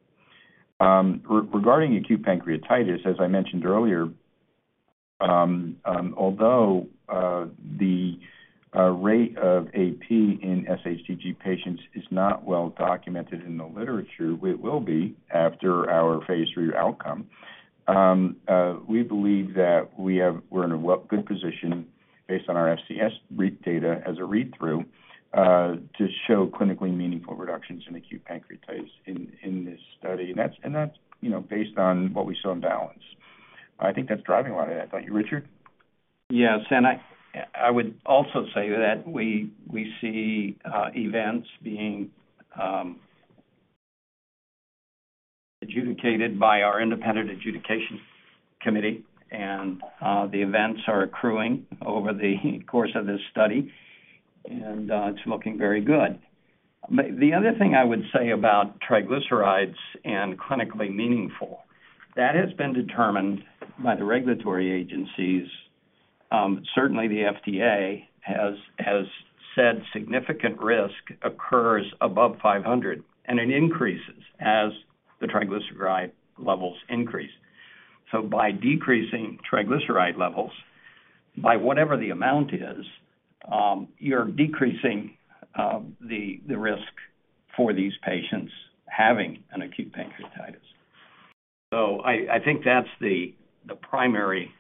regarding acute pancreatitis. As I mentioned earlier. Although the rate of AP in SHTG patients is not well documented in the literature, it will be after our phase 3 outcome. We believe that we're in a good position based on our FCS data as a read through to show clinically meaningful reductions in acute pancreatitis in this study. And that's, you know, based on what we saw in BALANCE, I think that's driving a lot of that, don't you, Richard? Yes, and I would also say that we see events being. Adjudicated by our. Independent adjudication committee and the events are accruing over the course of this study and it's looking very good. The other thing I would say about. Triglycerides and clinically meaningful, that has been. Determined by the regulatory agencies. Certainly the FDA has said significant risk. Occurs above 500 and an increase as. The triglyceride levels increase. So by decreasing triglyceride levels by whatever. The amount is, you're decreasing the risk for these patients having an acute pancreatitis, so I think that's the primary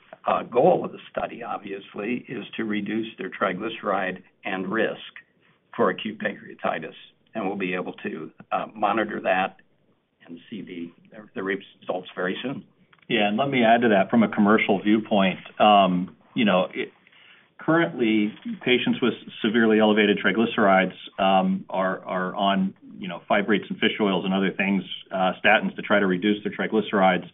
goal of the study, obviously, to reduce their triglyceride and risk for acute pancreatitis, and we'll be able to monitor that and see the results very soon. Yeah, and let me add to that from a commercial viewpoint. Currently, patients with severely elevated triglycerides are on fibrates and fish oils and other things, statins to try to reduce their triglycerides.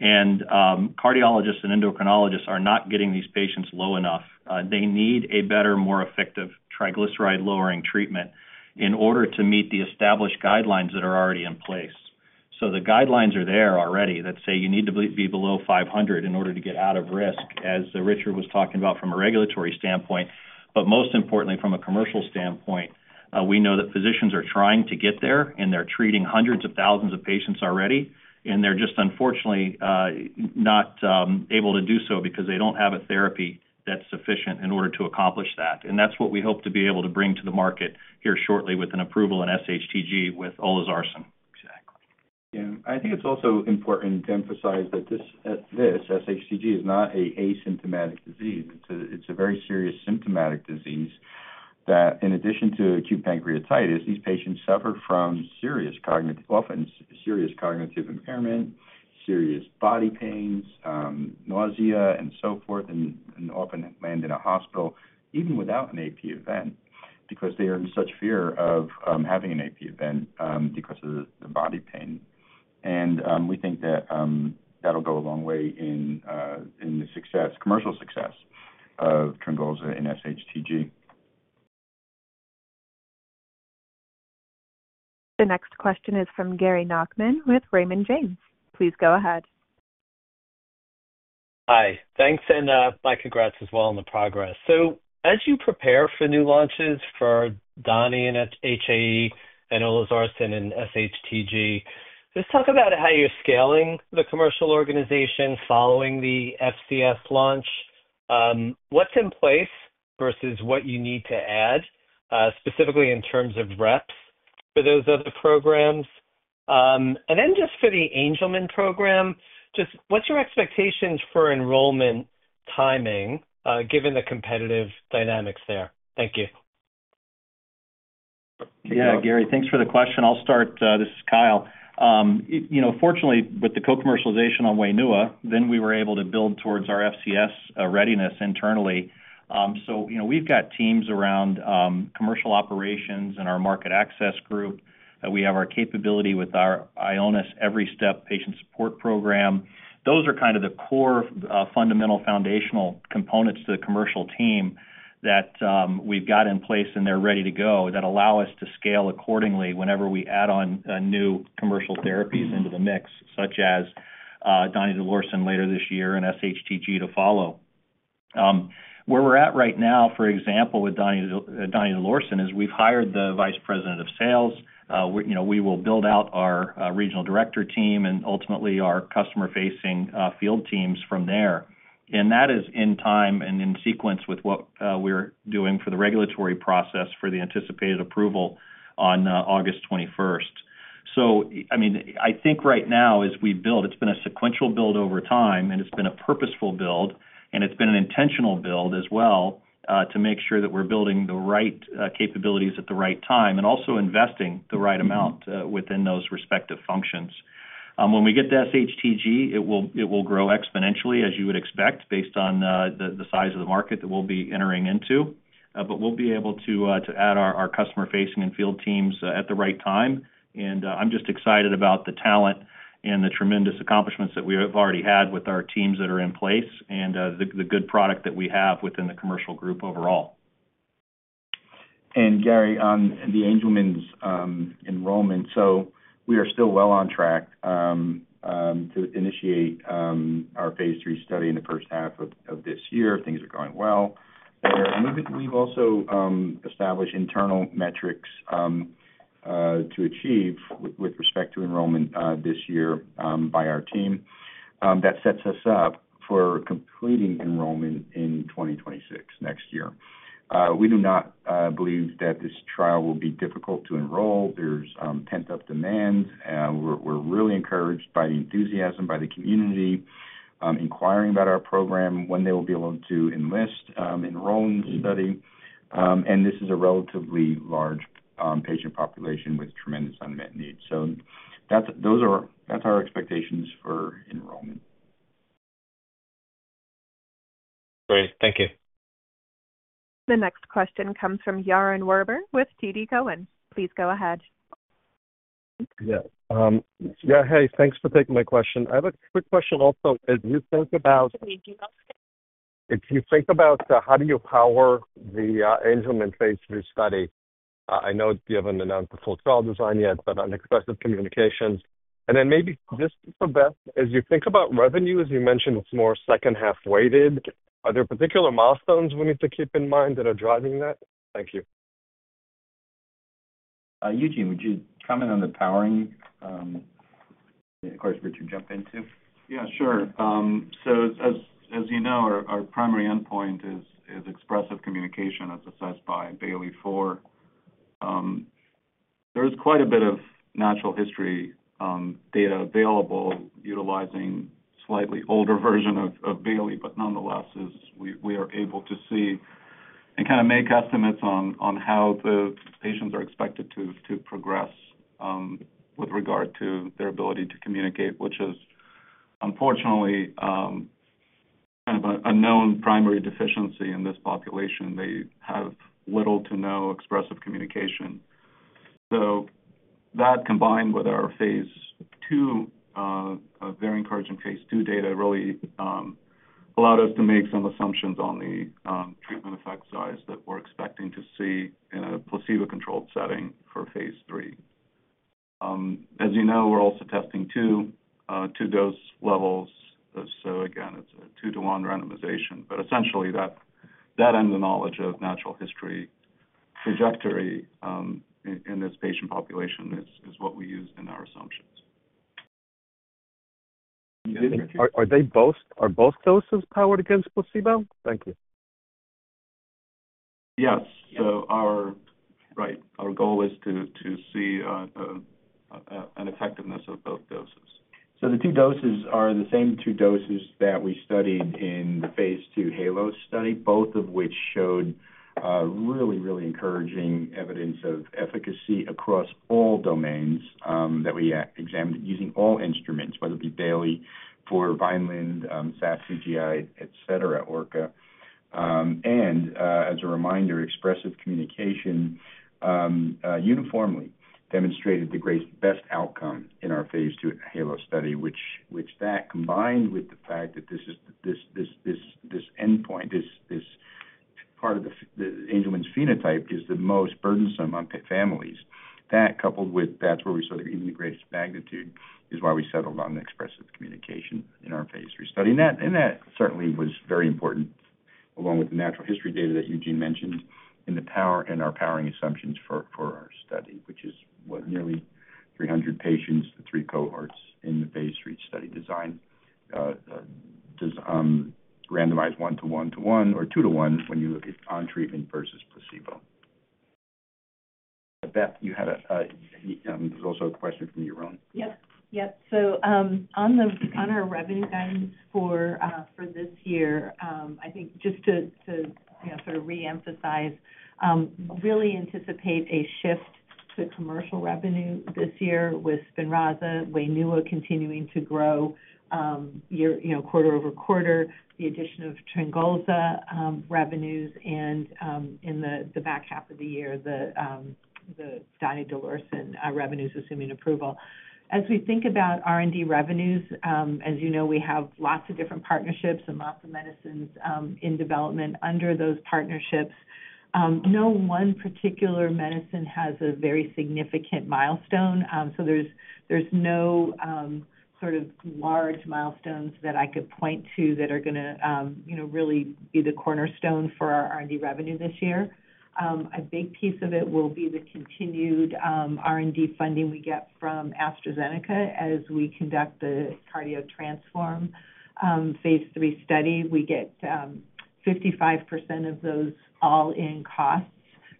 Cardiologists and endocrinologists are not getting these patients low enough. They need a better, more effective triglyceride lowering treatment in order to meet the established guidelines that are already in place. The guidelines are there already that say you need to be below 500 in order to get out of risk, as Richard was talking about from a regulatory standpoint, but most importantly from a commercial standpoint. Physicians are trying to get there and they are treating hundreds of thousands of patients already and they are just unfortunately not able to do so because they do not have a therapy that is sufficient in order to accomplish that. That is what we hope to be able to bring to the market here shortly. With an approval in SHTG with olezarsen. Exactly. Yeah. I think it's also important to emphasize that this SHTG is not an asymptomatic disease. It's a very serious symptomatic disease that in addition to acute pancreatitis, these patients suffer from serious cognitive, often serious cognitive impairment, serious body pains, nausea, and so forth, and often land in a hospital even without an AP event because they are in such fear of having an AP event because of the body pain. And we think that will go a long way in the commercial success of Tringolza in SHTG. The next question is from Gary Nachman with Raymond James. Please go ahead. Hi. Thanks. And my congrats as well on the progress. So as you prepare for new launches for donidalorsen and HAE and olezarsen and SHTG, let's talk about how you're scaling the commercial organization following the FCS launch. What's in place versus what you need to add specifically in terms of reps for those other programs. And then just for the Angelman program, just what's your expectations for enrollment timing given the competitive dynamics there? Thank you. Yeah, Gary, thanks for the question. I'll start. This is Kyle. You know, fortunately with the co-commercialization on Wainua, then we were able to build towards our FCS readiness internally. So, you know, we've got teams around commercial operations and our market access group. We have our capability with our Ionis Every Step patient support program. Those are kind of the core, fundamental foundational components to the commercial team that we've got in place and they're ready to go. That allow us to scale accordingly whenever we add on new commercial therapies into the mix, such as donidalorsen later this year and SHTG to follow. Where we're at right now, for example, with donidalorsen is we've hired the vice president of sales. You know, we will build out our regional director team and ultimately our customer facing field teams from there. And that is in time and in sequence with what we're doing for the regulatory process for the anticipated approval on August 21st. So I mean, I think right now as we build, it's been a sequential build over time and it's been a purposeful build and it's been an intentional build as well to make sure that we're building the right capabilities at the right time and also investing the right amount within those respective functions. When we get to SHTG, it will grow exponentially as you would expect, based on the size of the market that we'll be entering into. But we'll be able to add our customer facing and field teams at the right time. And I'm just excited about the talent and the tremendous accomplishments that we have already had with our teams that are in place and the good product that we have within the commercial group overall. And Gary, on the Angelman enrollment. So we are still well on track to initiate our phase 3 study in the first half of this year. Things are going well. We’ve also established internal metrics. To achieve with respect to enrollment this year by our team. That sets us up for completing enrollment in 2026 next year. We do not believe that this trial will be difficult to enroll. There's pent-up demand. We're really encouraged by the enthusiasm by the community inquiring about our program when they will be able to enlist enrollment study. And this is a relatively large patient population with tremendous unmet needs. So that's our expectations for enrollment. Great, thank you. The next question comes from Yaron Werber with TD Cowen. Please go ahead. Yeah, hey, thanks for taking my question. I have a quick question also. As you think about. If you think about how do you power the Angelman phase 3 study? I know you haven't announced the full trial design yet, but on expressive communications and then maybe just for Beth, as you think about revenue, as you mentioned, it's more second half weighted. Are there particular milestones we need to keep in mind that are driving that? Thank you. Eugene, would you comment on the powering? Richard, jump into. Yeah, sure. So, as you know, our primary endpoint is expressive communication as assessed by Bayley-4. There is quite a bit of natural history data available utilizing slightly older version of Bayley. But nonetheless we are able to see and kind of make estimates on how the patients are expected to progress with regard to their ability to communicate, which is unfortunately. A known primary deficiency in this population. They have little to no expressive communication. So that combined with our phase two, very encouraging phase two data really allowed us to make some assumptions on the treatment effect size that we're expecting to see in a placebo-controlled setting. For phase three. As you know, we're also testing two dose levels. So again it's a two to one randomization. But essentially the extent of our knowledge of natural history trajectory in this patient population is what we used in our assumptions. Are both doses powered against placebo? Thank you. Yes. So, alright, our goal is to see an effectiveness of both doses. So the two doses are the same two doses that we studied in the phase 2 HALO study, both of which showed really, really encouraging evidence of efficacy across all domains that we examined using all instruments, whether it be Bayley for Vineland, SAS, CGI, et cetera, ORCA. And as a reminder, expressive communication uniformly demonstrated the best outcome in our phase 2 HALO study, which, that combined with the fact that this endpoint, this part of the Angelman phenotype, is the most burdensome on families. That coupled with that's where we saw the greatest magnitude is why we settled on expressive communication in our phase 3 study. And that certainly was very important along with the natural history data that Eugene mentioned in the powering and our powering assumptions for our study, which is what nearly 300 patients, the three cohorts in the Phase 3 REACH study design. Randomized one to one to one or two to one. When you look at on treatment versus placebo. Beth, you had a. There's also a question from your own. Yep, yep. So on the non-GAAP revenue guidance for this year, I think just to sort of reemphasize, really anticipate a shift to commercial revenue this year with Spinraza Wainua continuing to grow. Quarter over quarter, the addition of Tringolza revenues and in the back half of the year, the donidalorsen revenues assuming approval. As we think about R&D revenues, as you know we have lots of different partnerships and lots of medicines in development. Under those partnerships, no one particular medicine has a very significant milestone. So there's no sort of large milestones that I could point to that are going to really be the cornerstone for our R&D revenue this year. A big piece of it will be the continued R&D funding we get from AstraZeneca as we conduct the CARDIO-TRANSFORM phase 3 study. We get 55% of those all in costs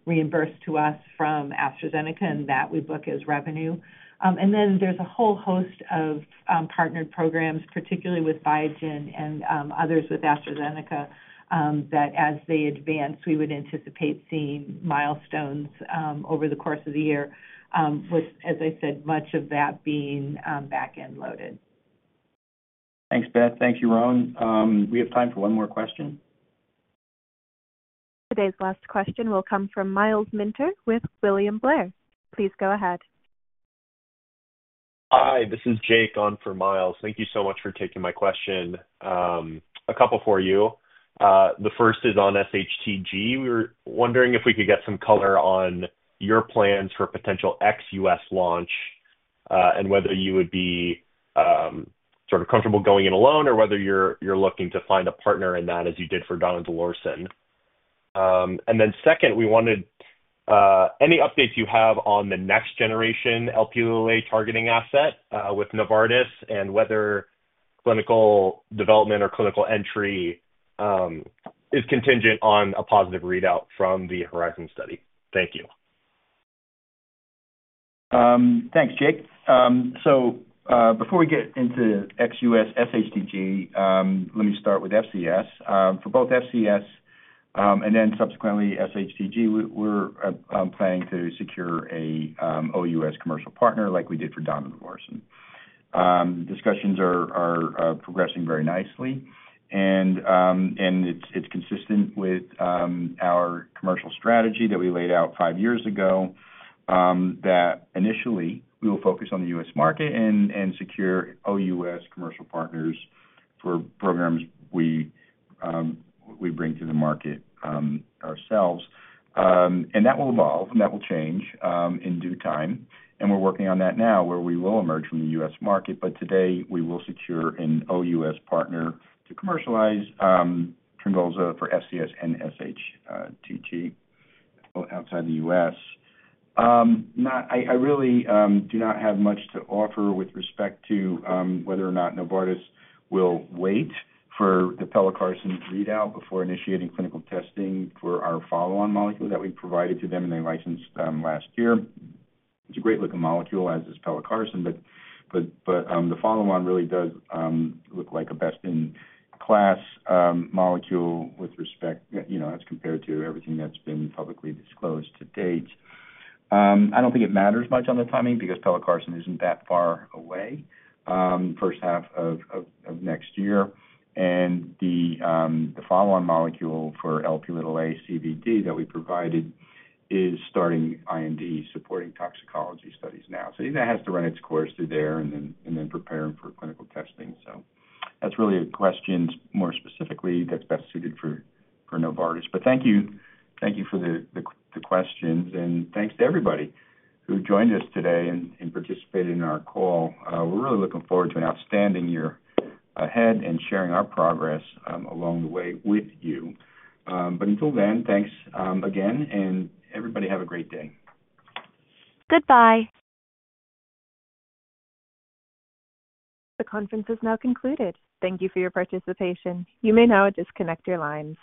reimbursed to us from AstraZeneca and that we book as revenue. And then there's a whole host of partnered programs, particularly with Biogen and others with AstraZeneca that as they advance, we would anticipate seeing milestones over the course of the year with as I said, much of that being back end loaded. Thanks, Beth. Thank you Yaron. We have time for one more question. Today's last question will come from Myles Minter with William Blair. Please go ahead. Hi, this is Jake on for Myles. Thank you so much for taking my question. A couple for you. The first is on SHTG. We were wondering if we could get some color on your plans for potential ex-U.S. launch and whether you would be sort of comfortable going in alone or whether you're looking to find a partner in that as you did for donidalorsen. And then second, we wanted any updates you have on the next generation Lp(a) targeting asset with Novartis and whether clinical development or clinical entry is contingent on a positive readout from the HORIZON study. Thank you. Thanks Jake. So before we get into ex-US SHTG, let me start with FCS for both FCS and then subsequently SHTG. We're planning to secure a OUS commercial partner like we did for donidalorsen. Discussions are progressing very nicely, and it's consistent with our commercial strategy that we laid out five years ago that initially we will focus on the U.S. market and secure OUS commercial partners for programs. We bring to the market ourselves and that will evolve and that will change in due time and we're working on that now where we will emerge from the U.S. market. But today we will secure an OUS partner to commercialize Tringolza for FCS and SHTG outside the US. I really do not have much to offer with respect to whether or not Novartis will wait for the Pelacarsen readout before initiating clinical testing for our follow-on molecule that we provided to them and they licensed last year. It's a great looking molecule as is Pelacarsen. But the follow-on really does look like a best-in-class molecule with respect as compared to everything that's been publicly disclosed to date. I don't think it matters much on the timing because Pelacarsen isn't that far away, first half of next year, and the follow-on molecule for Lp(a)-CVD that we provided is starting IND-supporting toxicology studies now. So that has to run its course through there and then preparing for clinical testing. So that's really a question more specifically that's best suited for Novartis. But thank you, thank you for the questions and thanks to everybody who joined us today and participated in our call. We're really looking forward to an outstanding year ahead and sharing our progress along the way. But until then, thanks again and everybody. Have a great day. Goodbye. The conference has now concluded. Thank you for your participation. You may now disconnect your lines.